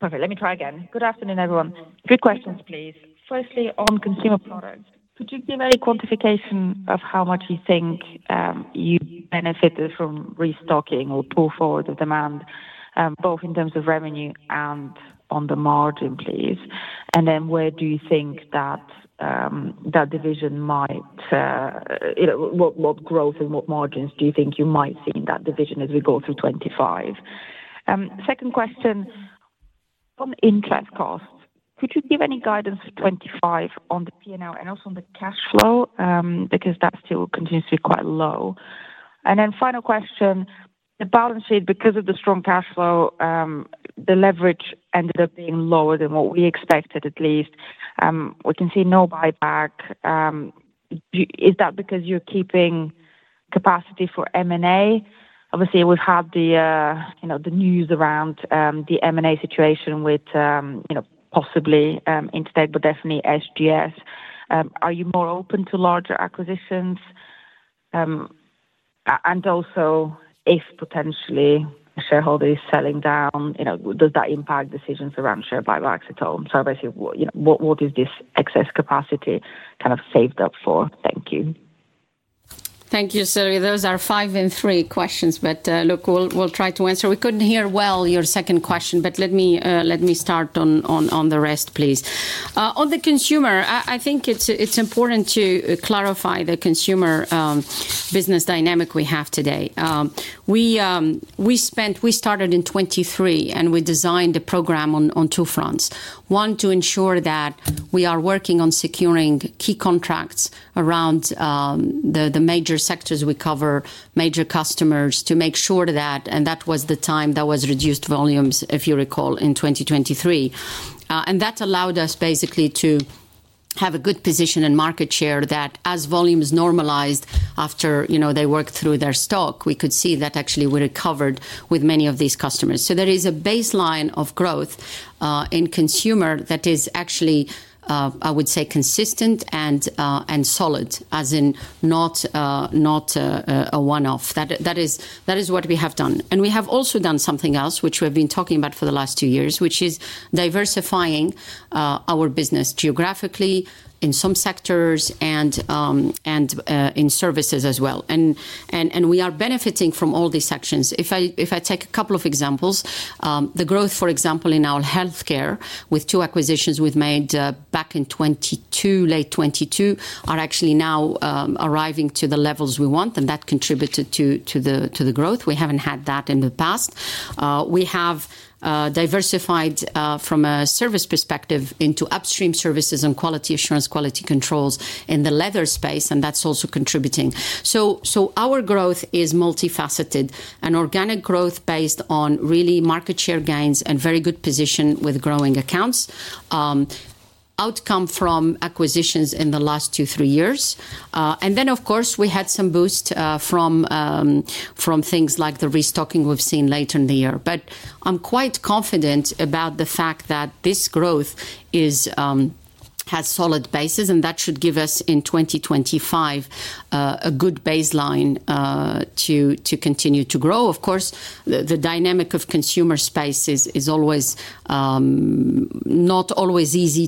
Perfect. Let me try again. Good afternoon, everyone. Good questions, please. Firstly, on Consumer Products, could you give a quantification of how much you think you benefited from restocking or pull forward the demand, both in terms of revenue and on the margin, please? And then where do you think that division might see what growth and what margins do you think you might see in that division as we go through 2025? Second question, on interest costs, could you give any guidance for 2025 on the P&L and also on the cash flow? Because that still continues to be quite low. And then final question, the balance sheet, because of the strong cash flow, the leverage ended up being lower than what we expected, at least. We can see no buyback. Is that because you're keeping capacity for M&A? Obviously, we've had the news around the M&A situation with possibly Intertek, but definitely SGS. Are you more open to larger acquisitions? And also, if potentially a shareholder is selling down, does that impact decisions around share buybacks at all? So basically, what is this excess capacity kind of saved up for? Thank you. Thank you, Sylvia. Those are five and three questions, but look, we'll try to answer. We couldn't hear well your second question, but let me start on the rest, please. On the consumer, I think it's important to clarify the consumer business dynamic we have today. We started in 2023, and we designed the program on two fronts. One, to ensure that we are working on securing key contracts around the major sectors we cover, major customers, to make sure that, and that was the time that was reduced volumes, if you recall, in 2023. And that allowed us basically to have a good position and market share that, as volumes normalized after they worked through their stock, we could see that actually we recovered with many of these customers. So there is a baseline of growth in consumer that is actually, I would say, consistent and solid, as in not a one-off. That is what we have done. And we have also done something else, which we've been talking about for the last two years, which is diversifying our business geographically in some sectors and in services as well. And we are benefiting from all these actions. If I take a couple of examples, the growth, for example, in our healthcare, with two acquisitions we've made back in 2022, late 2022, are actually now arriving to the levels we want, and that contributed to the growth. We haven't had that in the past. We have diversified from a service perspective into upstream services and quality assurance, quality controls in the leather space, and that's also contributing. So our growth is multifaceted. An organic growth based on really market share gains and very good position with growing accounts, outcome from acquisitions in the last two, three years, and then, of course, we had some boost from things like the restocking we've seen later in the year, but I'm quite confident about the fact that this growth has solid bases, and that should give us in 2025 a good baseline to continue to grow. Of course, the dynamic of consumer space is not always easy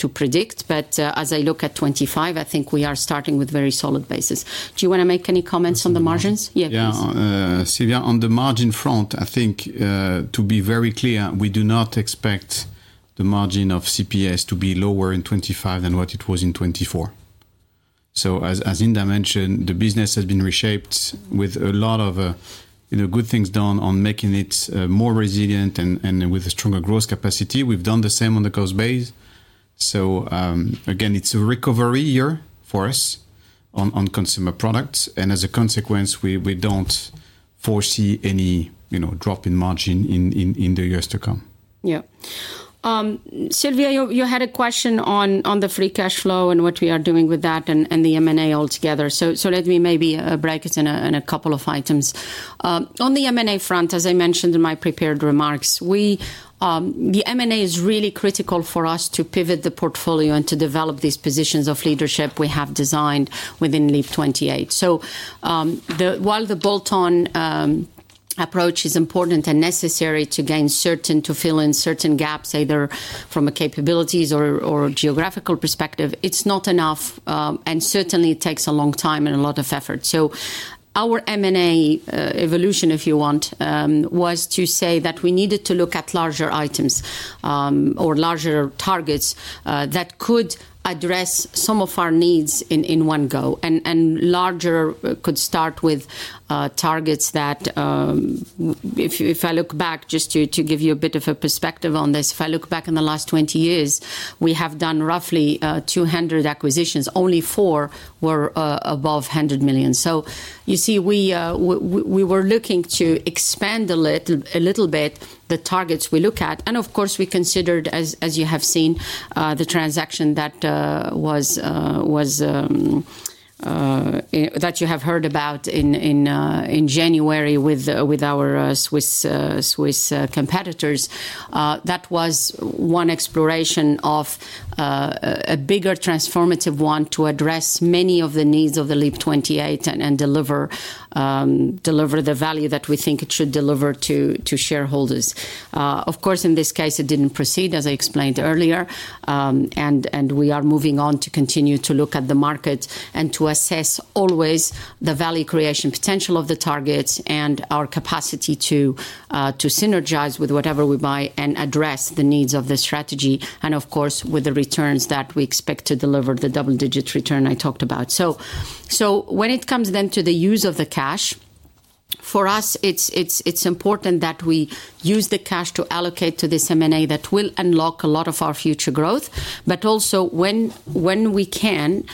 to predict, but as I look at 25, I think we are starting with very solid bases. Do you want to make any comments on the margins? Yeah. Sylvia, on the margin front, I think, to be very clear, we do not expect the margin of CPS to be lower in 25 than what it was in 24. So, as Hinda mentioned, the business has been reshaped with a lot of good things done on making it more resilient and with a stronger growth capacity. We've done the same on the growth base. So, again, it's a recovery year for us on Consumer Products. And as a consequence, we don't foresee any drop in margin in the years to come. Yeah. Sylvia, you had a question on the free cash flow and what we are doing with that and the M&A altogether. So let me maybe break it in a couple of items. On the M&A front, as I mentioned in my prepared remarks, the M&A is really critical for us to pivot the portfolio and to develop these positions of leadership we have designed within Leap 28. While the bolt-on approach is important and necessary to gain certainty, to fill in certain gaps, either from capabilities or geographical perspective, it's not enough, and certainly it takes a long time and a lot of effort. Our M&A evolution, if you want, was to say that we needed to look at larger items or larger targets that could address some of our needs in one go. Larger could start with targets that, if I look back, just to give you a bit of a perspective on this, if I look back in the last 20 years, we have done roughly 200 acquisitions. Only four were above 100 million. You see, we were looking to expand a little bit the targets we look at. Of course, we considered, as you have seen, the transaction that you have heard about in January with our Swiss competitors. That was one exploration of a bigger transformative one to address many of the needs of the Leap 28 and deliver the value that we think it should deliver to shareholders. Of course, in this case, it didn't proceed, as I explained earlier, and we are moving on to continue to look at the market and to assess always the value creation potential of the targets and our capacity to synergize with whatever we buy and address the needs of the strategy, and, of course, with the returns that we expect to deliver, the double-digit return I talked about, so when it comes then to the use of the cash, for us, it's important that we use the cash to allocate to this M&A that will unlock a lot of our future growth, but also, when we can,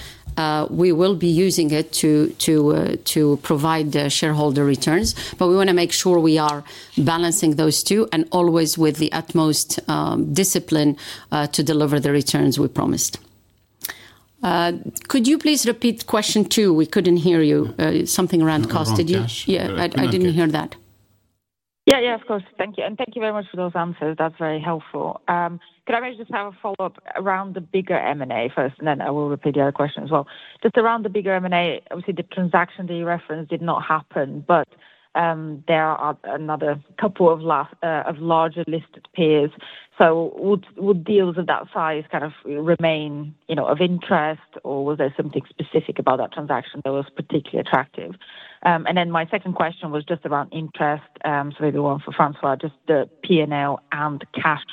we will be using it to provide shareholder returns. But we want to make sure we are balancing those two and always with the utmost discipline to deliver the returns we promised. Could you please repeat question two? We couldn't hear you. Something around cost, did you? Yeah, I didn't hear that. Yeah, yeah, of course. Thank you. And thank you very much for those answers. That's very helpful. Could I just have a follow-up around the bigger M&A first, and then I will repeat the other question as well? Just around the bigger M&A, obviously, the transaction that you referenced did not happen, but there are another couple of larger listed peers. So, would deals of that size kind of remain of interest, or was there something specific about that transaction that was particularly attractive? And then my second question was just around interest. So, maybe one for François, just the P&L and cash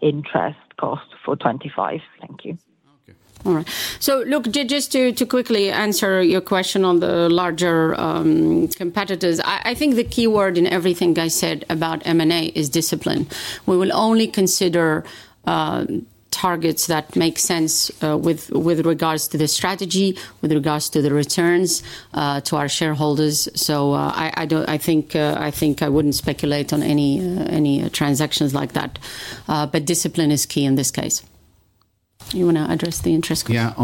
interest cost for 25. Thank you. Okay. All right. So, look, just to quickly answer your question on the larger competitors, I think the key word in everything I said about M&A is discipline. We will only consider targets that make sense with regards to the strategy, with regards to the returns to our shareholders. So, I think I wouldn't speculate on any transactions like that. But discipline is key in this case. You want to address the interest cost? Yeah.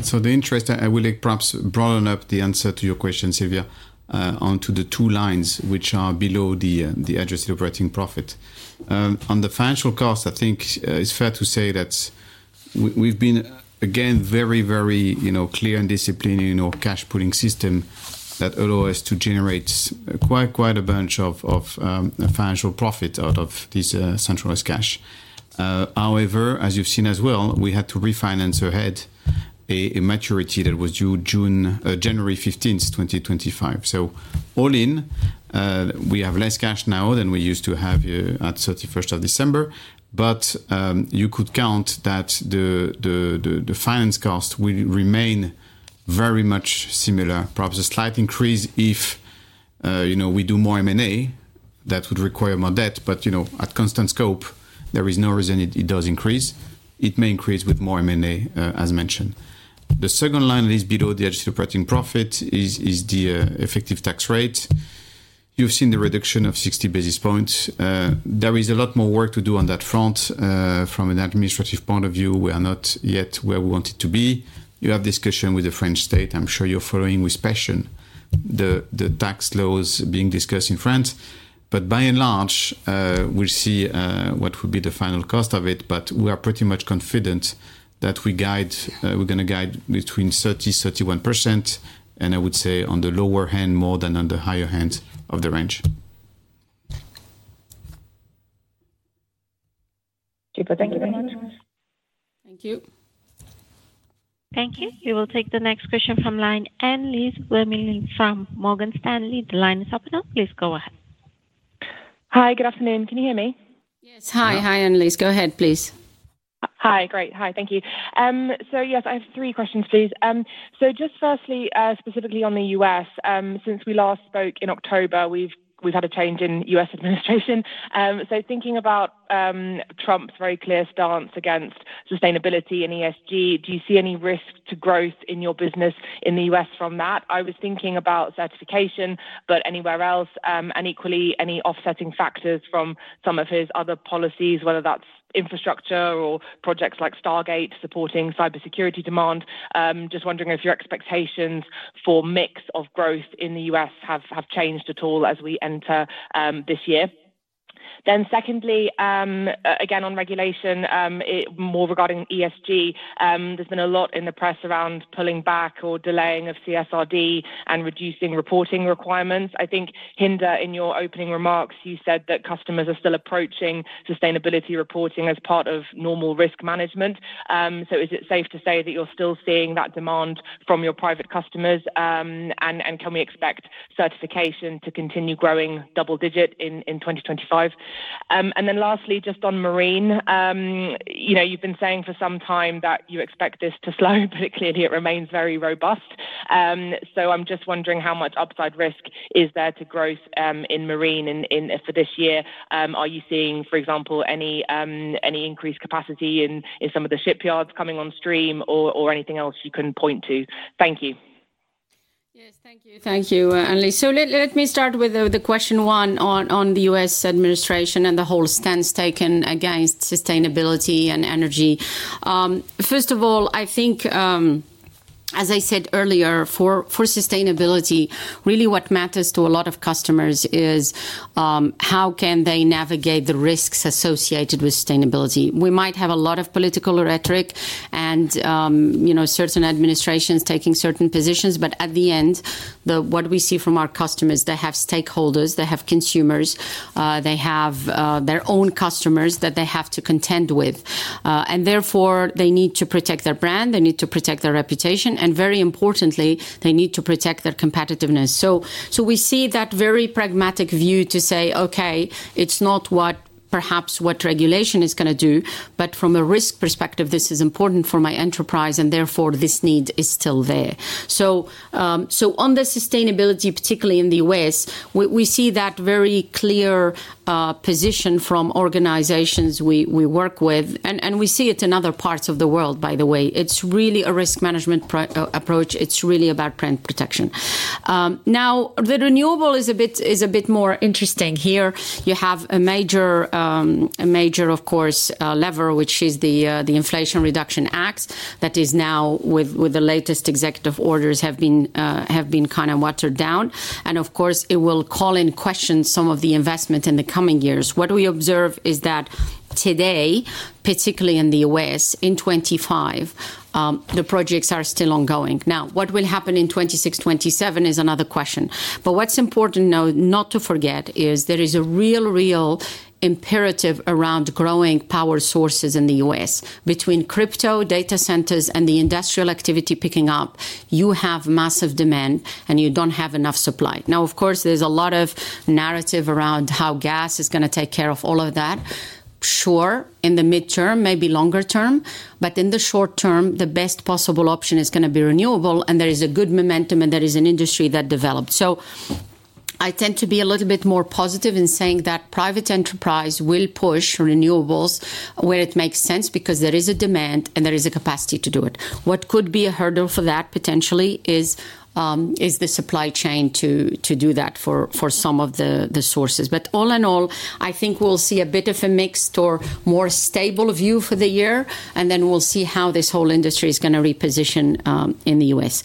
So, the interest, I will perhaps broaden up the answer to your question, Sylvia, onto the two lines which are below the Adjusted Operating Profit. On the financial cost, I think it's fair to say that we've been, again, very, very clear and disciplined in our cash pooling system that allowed us to generate quite a bunch of financial profit out of this centralized cash. However, as you've seen as well, we had to refinance ahead a maturity that was due January 15, 2025. So, all in, we have less cash now than we used to have at 31st of December. But you could count that the finance cost will remain very much similar, perhaps a slight increase if we do more M&A that would require more debt. But at constant scope, there is no reason it does increase. It may increase with more M&A, as mentioned. The second line that is below the adjusted operating profit is the effective tax rate. You've seen the reduction of 60 basis points. There is a lot more work to do on that front. From an administrative point of view, we are not yet where we want it to be. You have discussion with the French state. I'm sure you're following with passion the tax laws being discussed in France. But by and large, we'll see what would be the final cost of it. But we are pretty much confident that we're going to guide between 30%-31%, and I would say on the lower hand more than on the higher hand of the range. Super. Thank you very much. Thank you. Thank you. We will take the next question from Annelies Vermeulen from Morgan Stanley. The line is open now. Please go ahead. Hi, good afternoon. Can you hear me? Yes. Hi. Hi, Annelies. Go ahead, please. Hi. Great. Hi. Thank you. So, yes, I have three questions, please. So, just firstly, specifically on the U.S., since we last spoke in October, we've had a change in U.S. administration. So, thinking about Trump's very clear stance against sustainability and ESG, do you see any risk to growth in your business in the US from that? I was thinking about Certification, but anywhere else, and equally, any offsetting factors from some of his other policies, whether that's infrastructure or projects like Stargate supporting cybersecurity demand. Just wondering if your expectations for mix of growth in the US have changed at all as we enter this year. Then, secondly, again, on regulation, more regarding ESG, there's been a lot in the press around pulling back or delaying of CSRD and reducing reporting requirements. I think, Hinda, in your opening remarks, you said that customers are still approaching sustainability reporting as part of normal risk management. So, is it safe to say that you're still seeing that demand from your private customers? Can we expect Certification to continue growing double-digit in 2025? And then lastly, just on marine, you've been saying for some time that you expect this to slow, but clearly it remains very robust. So, I'm just wondering how much upside risk is there to growth in marine for this year? Are you seeing, for example, any increased capacity in some of the shipyards coming on stream or anything else you can point to? Thank you. Yes, thank you. Thank you, Annelies. So, let me start with the question one on the U.S. administration and the whole stance taken against sustainability and energy. First of all, I think, as I said earlier, for sustainability, really what matters to a lot of customers is how can they navigate the risks associated with sustainability? We might have a lot of political rhetoric and certain administrations taking certain positions, but at the end, what we see from our customers, they have stakeholders, they have consumers, they have their own customers that they have to contend with, and therefore, they need to protect their brand, they need to protect their reputation, and very importantly, they need to protect their competitiveness, so we see that very pragmatic view to say, okay, it's not perhaps what regulation is going to do, but from a risk perspective, this is important for my enterprise, and therefore, this need is still there, so on the sustainability, particularly in the U.S., we see that very clear position from organizations we work with, and we see it in other parts of the world, by the way. It's really a risk management approach. It's really about brand protection. Now, the renewable is a bit more interesting here. You have a major, of course, lever, which is the Inflation Reduction Act that is now, with the latest executive orders, have been kind of watered down. And, of course, it will call in question some of the investment in the coming years. What we observe is that today, particularly in the U.S., in 2025, the projects are still ongoing. Now, what will happen in 2026, 2027 is another question. But what's important not to forget is there is a real, real imperative around growing power sources in the U.S. Between crypto data centers and the industrial activity picking up, you have massive demand, and you don't have enough supply. Now, of course, there's a lot of narrative around how gas is going to take care of all of that. Sure, in the midterm, maybe longer term, but in the short term, the best possible option is going to be renewable, and there is a good momentum, and there is an Industry that developed. So, I tend to be a little bit more positive in saying that private enterprise will push renewables where it makes sense because there is a demand and there is a capacity to do it. What could be a hurdle for that potentially is the supply chain to do that for some of the sources. But all in all, I think we'll see a bit of a mixed or more stable view for the year, and then we'll see how this whole Industry is going to reposition in the U.S.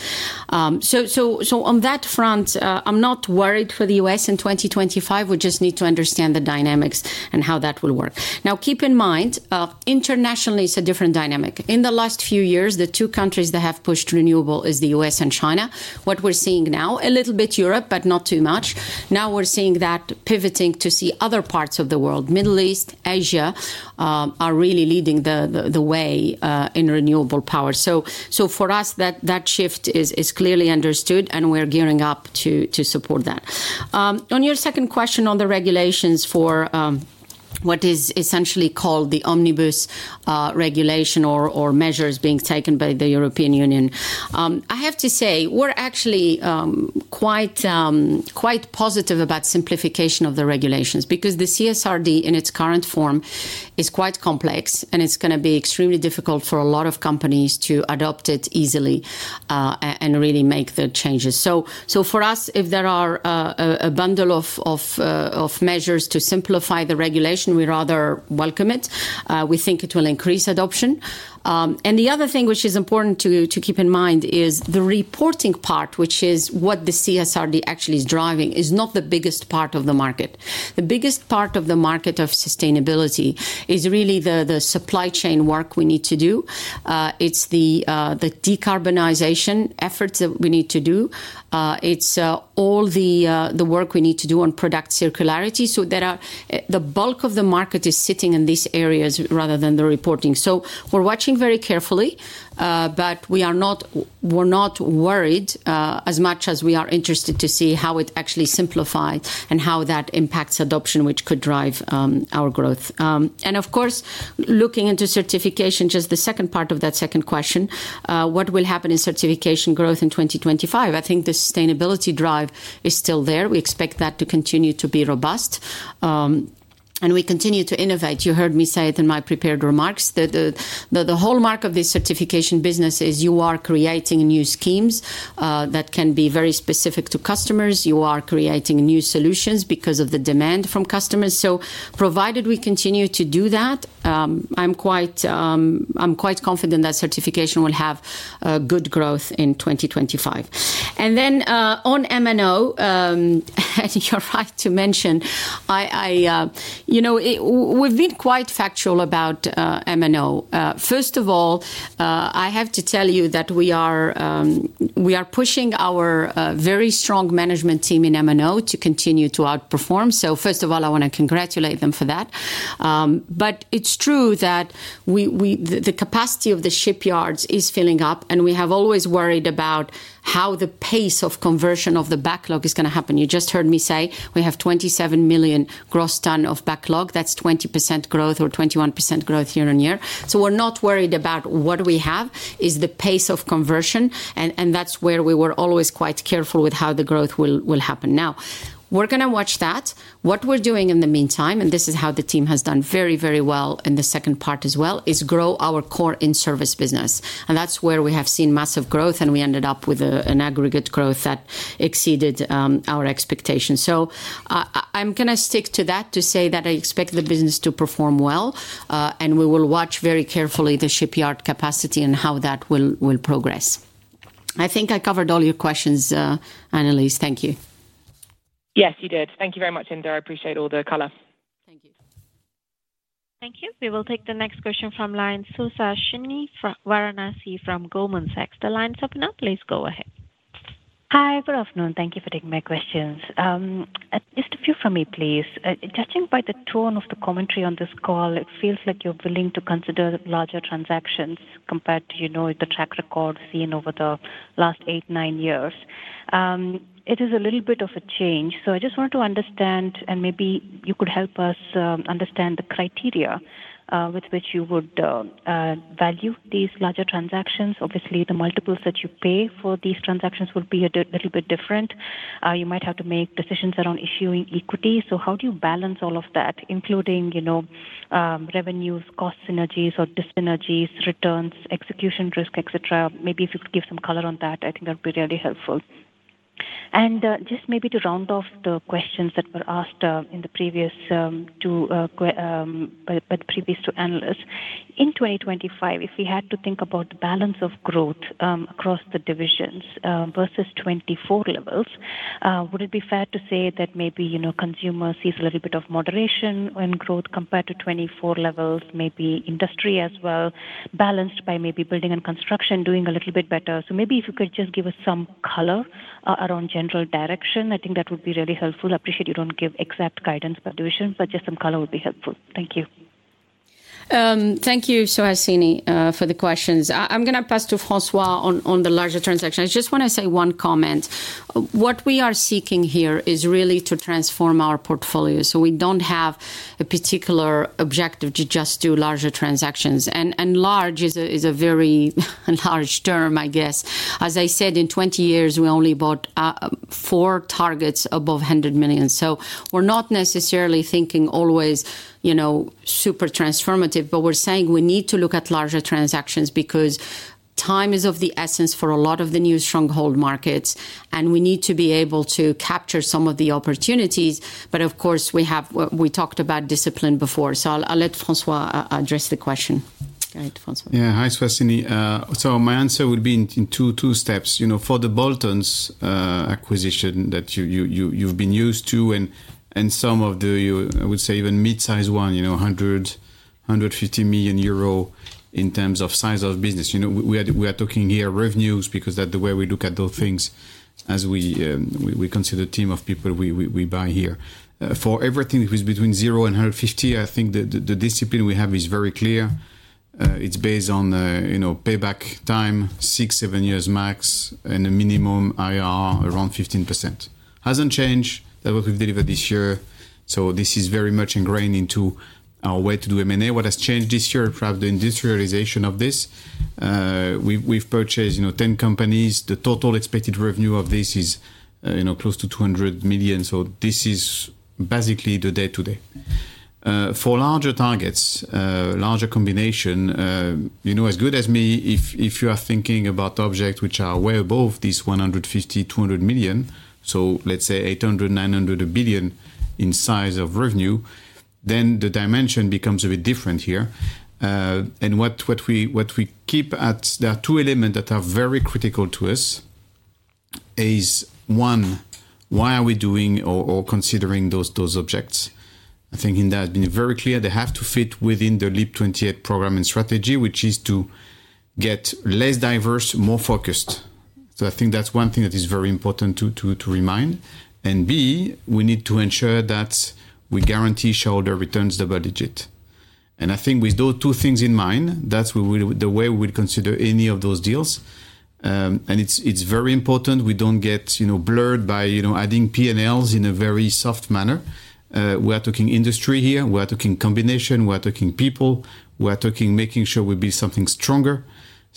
So, on that front, I'm not worried for the U.S. in 2025. We just need to understand the dynamics and how that will work. Now, keep in mind, internationally, it's a different dynamic. In the last few years, the two countries that have pushed renewable are the U.S. and China. What we're seeing now, a little bit Europe, but not too much. Now, we're seeing that pivoting to see other parts of the world, Middle East, Asia, are really leading the way in renewable power. So, for us, that shift is clearly understood, and we're gearing up to support that. On your second question on the regulations for what is essentially called the omnibus regulation or measures being taken by the European Union, I have to say we're actually quite positive about simplification of the regulations because the CSRD in its current form is quite complex, and it's going to be extremely difficult for a lot of companies to adopt it easily and really make the changes. So, for us, if there are a bundle of measures to simplify the regulation, we rather welcome it. We think it will increase adoption. And the other thing which is important to keep in mind is the reporting part, which is what the CSRD actually is driving, is not the biggest part of the market. The biggest part of the market of sustainability is really the supply chain work we need to do. It's the decarbonization efforts that we need to do. It's all the work we need to do on product circularity. So, the bulk of the market is sitting in these areas rather than the reporting. So, we're watching very carefully, but we're not worried as much as we are interested to see how it actually simplifies and how that impacts adoption, which could drive our growth. Of course, looking into Certification, just the second part of that second question, what will happen in Certification growth in 2025? I think the sustainability drive is still there. We expect that to continue to be robust. We continue to innovate. You heard me say it in my prepared remarks. The hallmark of this Certification business is you are creating new schemes that can be very specific to customers. You are creating new solutions because of the demand from customers. Provided we continue to do that, I'm quite confident that Certification will have good growth in 2025. Then on M&O, you're right to mention, we've been quite factual about M&O. First of all, I have to tell you that we are pushing our very strong management team in M&O to continue to outperform. First of all, I want to congratulate them for that. But it's true that the capacity of the shipyards is filling up, and we have always worried about how the pace of conversion of the backlog is going to happen. You just heard me say we have 27 million gross ton of backlog. That's 20% growth or 21% growth year on year. So, we're not worried about what we have is the pace of conversion, and that's where we were always quite careful with how the growth will happen. Now, we're going to watch that. What we're doing in the meantime, and this is how the team has done very, very well in the second part as well, is grow our core in-service business. And that's where we have seen massive growth, and we ended up with an aggregate growth that exceeded our expectations. So, I'm going to stick to that to say that I expect the business to perform well, and we will watch very carefully the shipyard capacity and how that will progress. I think I covered all your questions, Annelies. Thank you. Yes, you did. Thank you very much, Hinda. I appreciate all the color. Thank you. Thank you. We will take the next question from the line. So, Suhasini Varanasi from Goldman Sachs. The line's open now. Please go ahead. Hi. Good afternoon. Thank you for taking my questions. Just a few for me, please. Judging by the tone of the commentary on this call, it feels like you're willing to consider larger transactions compared to the track record seen over the last eight, nine years. It is a little bit of a change. I just wanted to understand, and maybe you could help us understand the criteria with which you would value these larger transactions. Obviously, the multiples that you pay for these transactions will be a little bit different. You might have to make decisions around issuing equity. So, how do you balance all of that, including revenues, cost synergies, or disynergies, returns, execution risk, etc.? Maybe if you could give some color on that, I think that would be really helpful. And just maybe to round off the questions that were asked by the previous two analysts, in 2025, if we had to think about the balance of growth across the divisions versus 2024 levels, would it be fair to say that maybe consumers see a little bit of moderation in growth compared to 2024 levels, maybe Industry as well, balanced by maybe building and construction doing a little bit better? So, maybe if you could just give us some color around general direction, I think that would be really helpful. I appreciate you don't give exact guidance by division, but just some color would be helpful. Thank you. Thank you, Suhasini for the questions. I'm going to pass to François on the larger transactions. I just want to say one comment. What we are seeking here is really to transform our portfolio. So, we don't have a particular objective to just do larger transactions. And large is a very large term, I guess. As I said, in 20 years, we only bought four targets above 100 million. So, we're not necessarily thinking always super transformative, but we're saying we need to look at larger transactions because time is of the essence for a lot of the New Stronghold markets, and we need to be able to capture some of the opportunities. But, of course, we talked about discipline before. So, I'll let François address the question. Go ahead, François. Yeah, hi, Suhasini. So, my answer would be in two steps. For the Bolt-on acquisition that you've been used to and some of the, I would say, even mid-size one, €100-150 million in terms of size of business, we are talking here revenues because that's the way we look at those things as we consider the team of people we buy here. For everything between 0 and 150, I think the discipline we have is very clear. It's based on payback time, six, seven years max, and a minimum IRR around 15%. Hasn't changed. That's what we've delivered this year. So, this is very much ingrained into our way to do M&A. What has changed this year is perhaps the industrialization of this. We've purchased 10 companies. The total expected revenue of this is close to €200 million. So, this is basically the day-to-day. For larger targets, larger combination, as good as me, if you are thinking about objects which are way above these 150-200 million, so let's say 800-900 billion in size of revenue, then the dimension becomes a bit different here, and what we keep at, there are two elements that are very critical to us. One, why are we doing or considering those objects? I think Hinda has been very clear. They have to fit within the LEAP 28 program and strategy, which is to get less diverse, more focused, so I think that's one thing that is very important to remind, and B, we need to ensure that we guarantee shareholder returns double-digit, and I think with those two things in mind, that's the way we would consider any of those deals, and it's very important we don't get blurred by adding P&Ls in a very soft manner. We are talking Industry here. We are talking combination. We are talking people. We are talking making sure we build something stronger.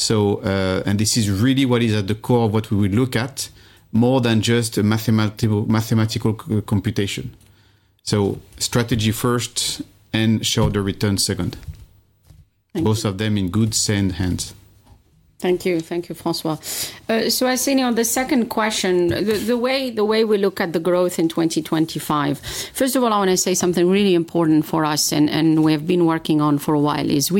And this is really what is at the core of what we would look at, more than just a mathematical computation. So, strategy first and shareholder returns second. Both of them in good, sane hands. Thank you. Thank you, François. Suhasini, on the second question, the way we look at the growth in 2025, first of all, I want to say something really important for us and we have been working on for a while is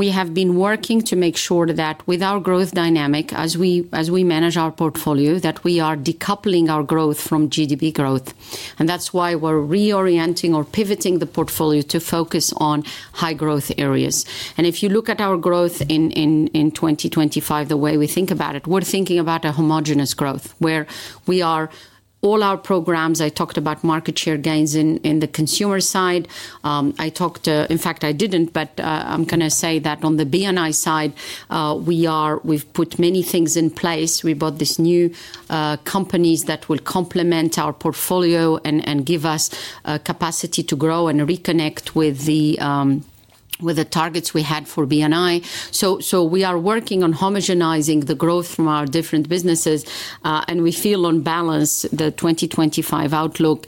we have been working to make sure that with our growth dynamic, as we manage our portfolio, that we are decoupling our growth from GDP growth. And that's why we're reorienting or pivoting the portfolio to focus on high-growth areas. And if you look at our growth in 2025, the way we think about it, we're thinking about a homogeneous growth where we are all our programs. I talked about market share gains in the consumer side. In fact, I didn't, but I'm going to say that on the B&I side, we've put many things in place. We bought these new companies that will complement our portfolio and give us capacity to grow and reconnect with the targets we had for B&I. So, we are working on homogenizing the growth from our different businesses, and we feel on balance, the 2025 outlook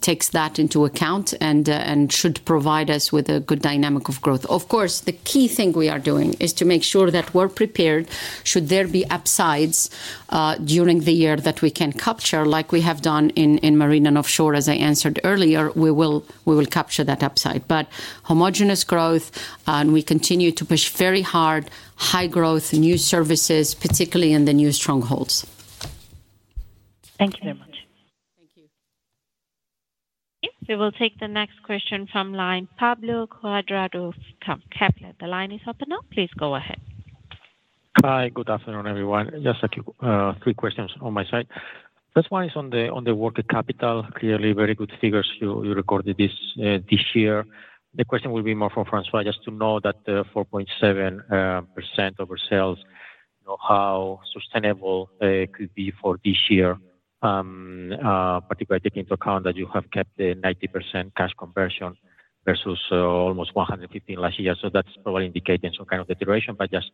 takes that into account and should provide us with a good dynamic of growth. Of course, the key thing we are doing is to make sure that we're prepared should there be upsides during the year that we can capture, like we have done in Marine & Offshore, as I answered earlier. We will capture that upside. But homogeneous growth, and we continue to push very hard, high-growth, new services, particularly in the New Strongholds. Thank you very much. Thank you. We'll now take the next question from the line of Pablo Cuadrado, Kepler. The line is open now. Please go ahead. Hi. Good afternoon, everyone. Just a few questions on my side. First one is on the working capital. Clearly, very good figures you recorded this year. The question will be more for François, just to know that the 4.7% of our sales, how sustainable could be for this year, particularly taking into account that you have kept the 90% cash conversion versus almost 115% last year. So, that's probably indicating some kind of deterioration, but just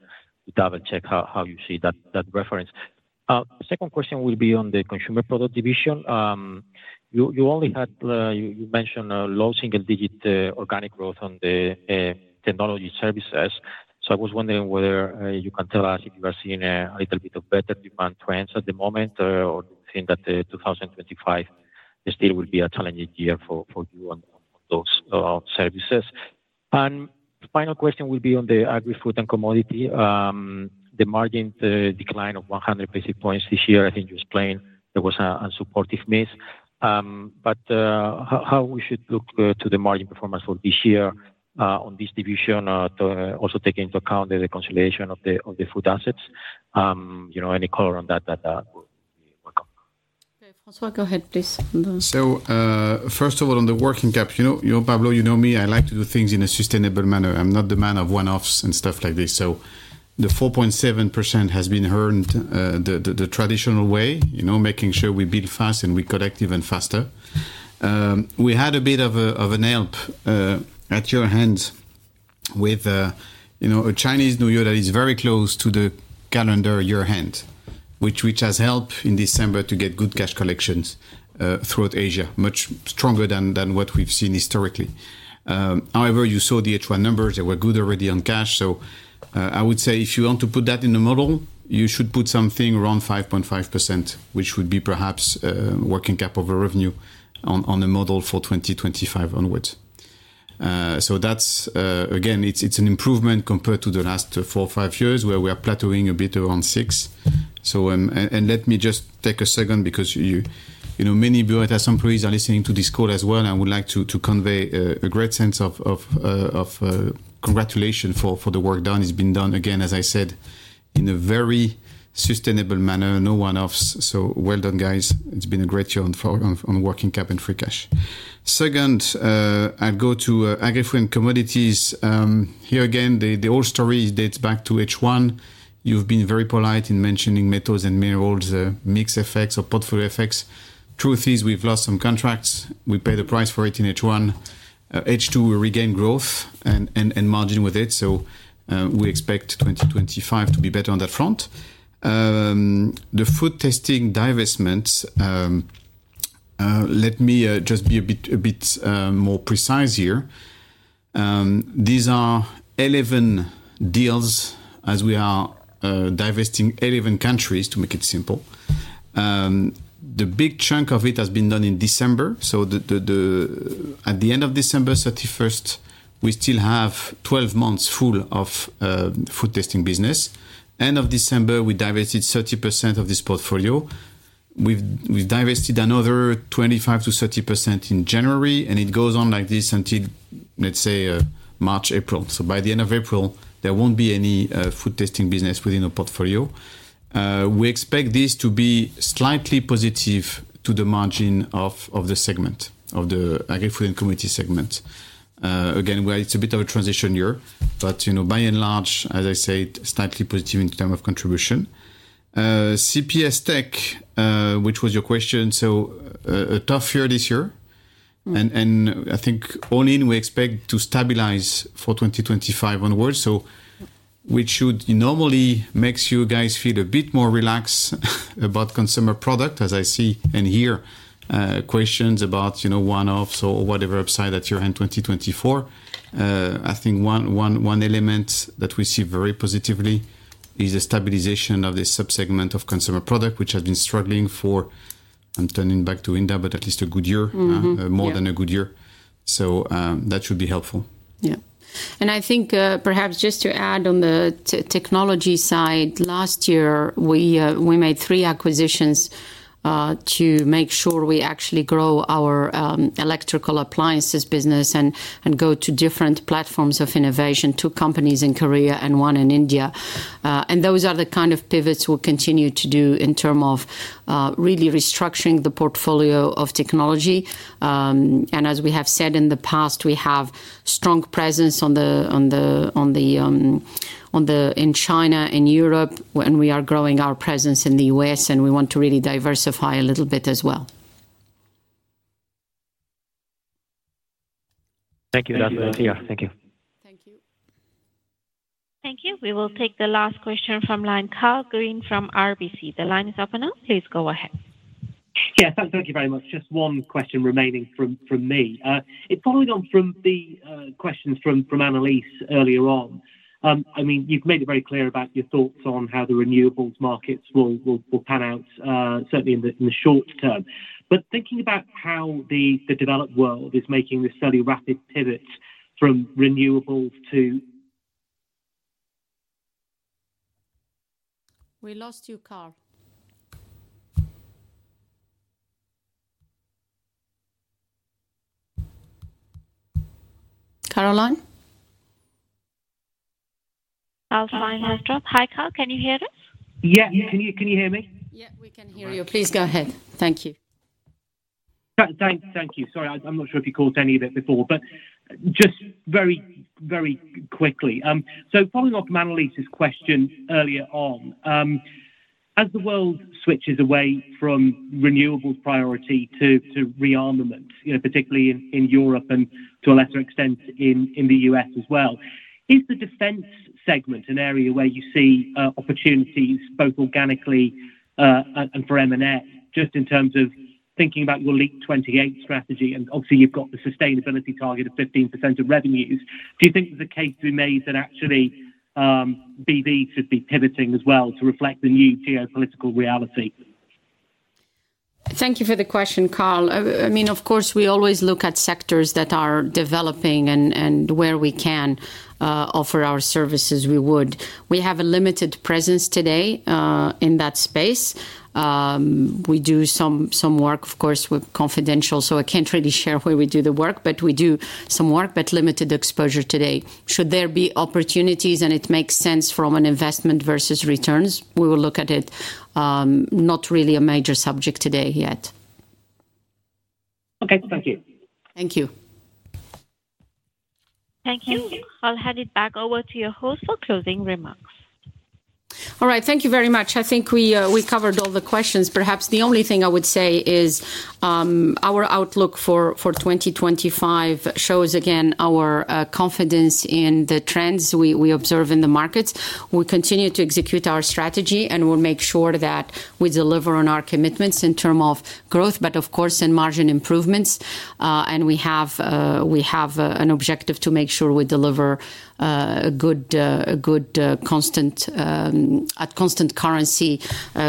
to double-check how you see that reference. Second question will be on the Consumer Products division. You mentioned low single-digit organic growth on the technology services. So, I was wondering whether you can tell us if you are seeing a little bit of better demand trends at the moment, or do you think that 2025 still will be a challenging year for you on those services? And final question will be on the Agri-Food and Commodities. The margin decline of 100 basis points this year, I think you explained there was a supportive mix. But how we should look to the margin performance for this year on this division, also taking into account the consolidation of the food assets? Any color on that that would be welcome? Okay. François, go ahead, please. So, first of all, on the working cap, Pablo, you know me. I like to do things in a sustainable manner. I'm not the man of one-offs and stuff like this. So, the 4.7% has been earned the traditional way, making sure we bill fast and we collect even faster. We had a bit of a tailwind with a Chinese New Year that is very close to the calendar year-end, which has helped in December to get good cash collections throughout Asia, much stronger than what we've seen historically. However, you saw the H1 numbers. They were good already on cash. So, I would say if you want to put that in the model, you should put something around 5.5%, which would be perhaps working cap over revenue on the model for 2025 onwards. So, again, it's an improvement compared to the last four or five years where we are plateauing a bit around 6%. So, and let me just take a second because many Bureau Veritas employees are listening to this call as well, and I would like to convey a great sense of congratulations for the work done. It's been done, again, as I said, in a very sustainable manner, no one-offs. So, well done, guys. It's been a great year on working cap and free cash. Second, I'll go to Agri-Food and Commodities. Here again, the whole story dates back to H1. You've been very polite in mentioning metals and minerals, mixed effects or portfolio effects. Truth is, we've lost some contracts. We pay the price for it in H1. H2, we regained growth and margin with it. So, we expect 2025 to be better on that front. The food testing divestments, let me just be a bit more precise here. These are 11 deals as we are divesting 11 countries, to make it simple. The big chunk of it has been done in December. So, at the end of December 31st, we still have 12 months full of food testing business. End of December, we divested 30% of this portfolio. We've divested another 25%-30% in January, and it goes on like this until, let's say, March, April. So, by the end of April, there won't be any food testing business within the portfolio. We expect this to be slightly positive to the margin of the segment, of the Agri-Food & Commodities segment. Again, it's a bit of a transition year, but by and large, as I said, slightly positive in terms of contribution. CPS Tech, which was your question, so a tough year this year and I think all in, we expect to stabilize for 2025 onwards, so which should normally make you guys feel a bit more relaxed about Consumer Products, as I see in here, questions about one-offs or whatever upside at year-end 2024. I think one element that we see very positively is the stabilization of this subsegment of Consumer Products, which has been struggling for, I'm turning back to Hinda I think perhaps just to add on the technology side, last year, we made three acquisitions to make sure we actually grow our electrical appliances business and go to different platforms of innovation, two companies in Korea and one in India. And those are the kind of pivots we'll continue to do in terms of really restructuring the portfolio of technology. And as we have said in the past, we have strong presence in China and Europe when we are growing our presence in the U.S., and we want to really diversify a little bit as well. Thank you, that's the idea. Thank you. Thank you. Thank you. We will take the last question from Karl Green from RBC. The line is open now. Please go ahead. Yes, thank you very much. Just one question remaining from me. It's following on from the questions from Annelies earlier on. I mean, you've made it very clear about your thoughts on how the renewables markets will pan out, certainly in the short term. But thinking about how the developed world is making this fairly rapid pivot from renewables to. We lost you, Carl. Caroline? Our line has dropped. Hi, Carl, can you hear us? Yeah, can you hear me? Yeah, we can hear you. Please go ahead. Thank you. Thank you. Sorry, I'm not sure if you caught any of it before, but just very quickly. So, following off of Annelies's question earlier on, as the world switches away from renewables priority to rearmament, particularly in Europe and to a lesser extent in the U.S. as well, is the defense segment an area where you see opportunities both organically and for M&A, just in terms of thinking about your Leap 28 strategy? And obviously, you've got the sustainability target of 15% of revenues. Do you think there's a case to be made that actually BV should be pivoting as well to reflect the new geopolitical reality? Thank you for the question, Carl. I mean, of course, we always look at sectors that are developing, and where we can offer our services, we would. We have a limited presence today in that space. We do some work, of course, with confidential, so I can't really share where we do the work, but we do some work, but limited exposure today. Should there be opportunities and it makes sense from an investment versus returns, we will look at it. Not really a major subject today yet. Okay, thank you. Thank you. Thank you. I'll hand it back over to your host for closing remarks. All right, thank you very much. I think we covered all the questions. Perhaps the only thing I would say is our outlook for 2025 shows, again, our confidence in the trends we observe in the markets. We continue to execute our strategy, and we'll make sure that we deliver on our commitments in terms of growth, but of course, in margin improvements, and we have an objective to make sure we deliver a good, constant currency,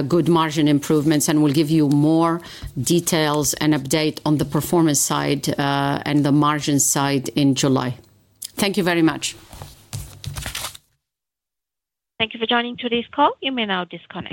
good margin improvements, and we'll give you more details and update on the performance side and the margin side in July. Thank you very much. Thank you for joining today's call. You may now disconnect.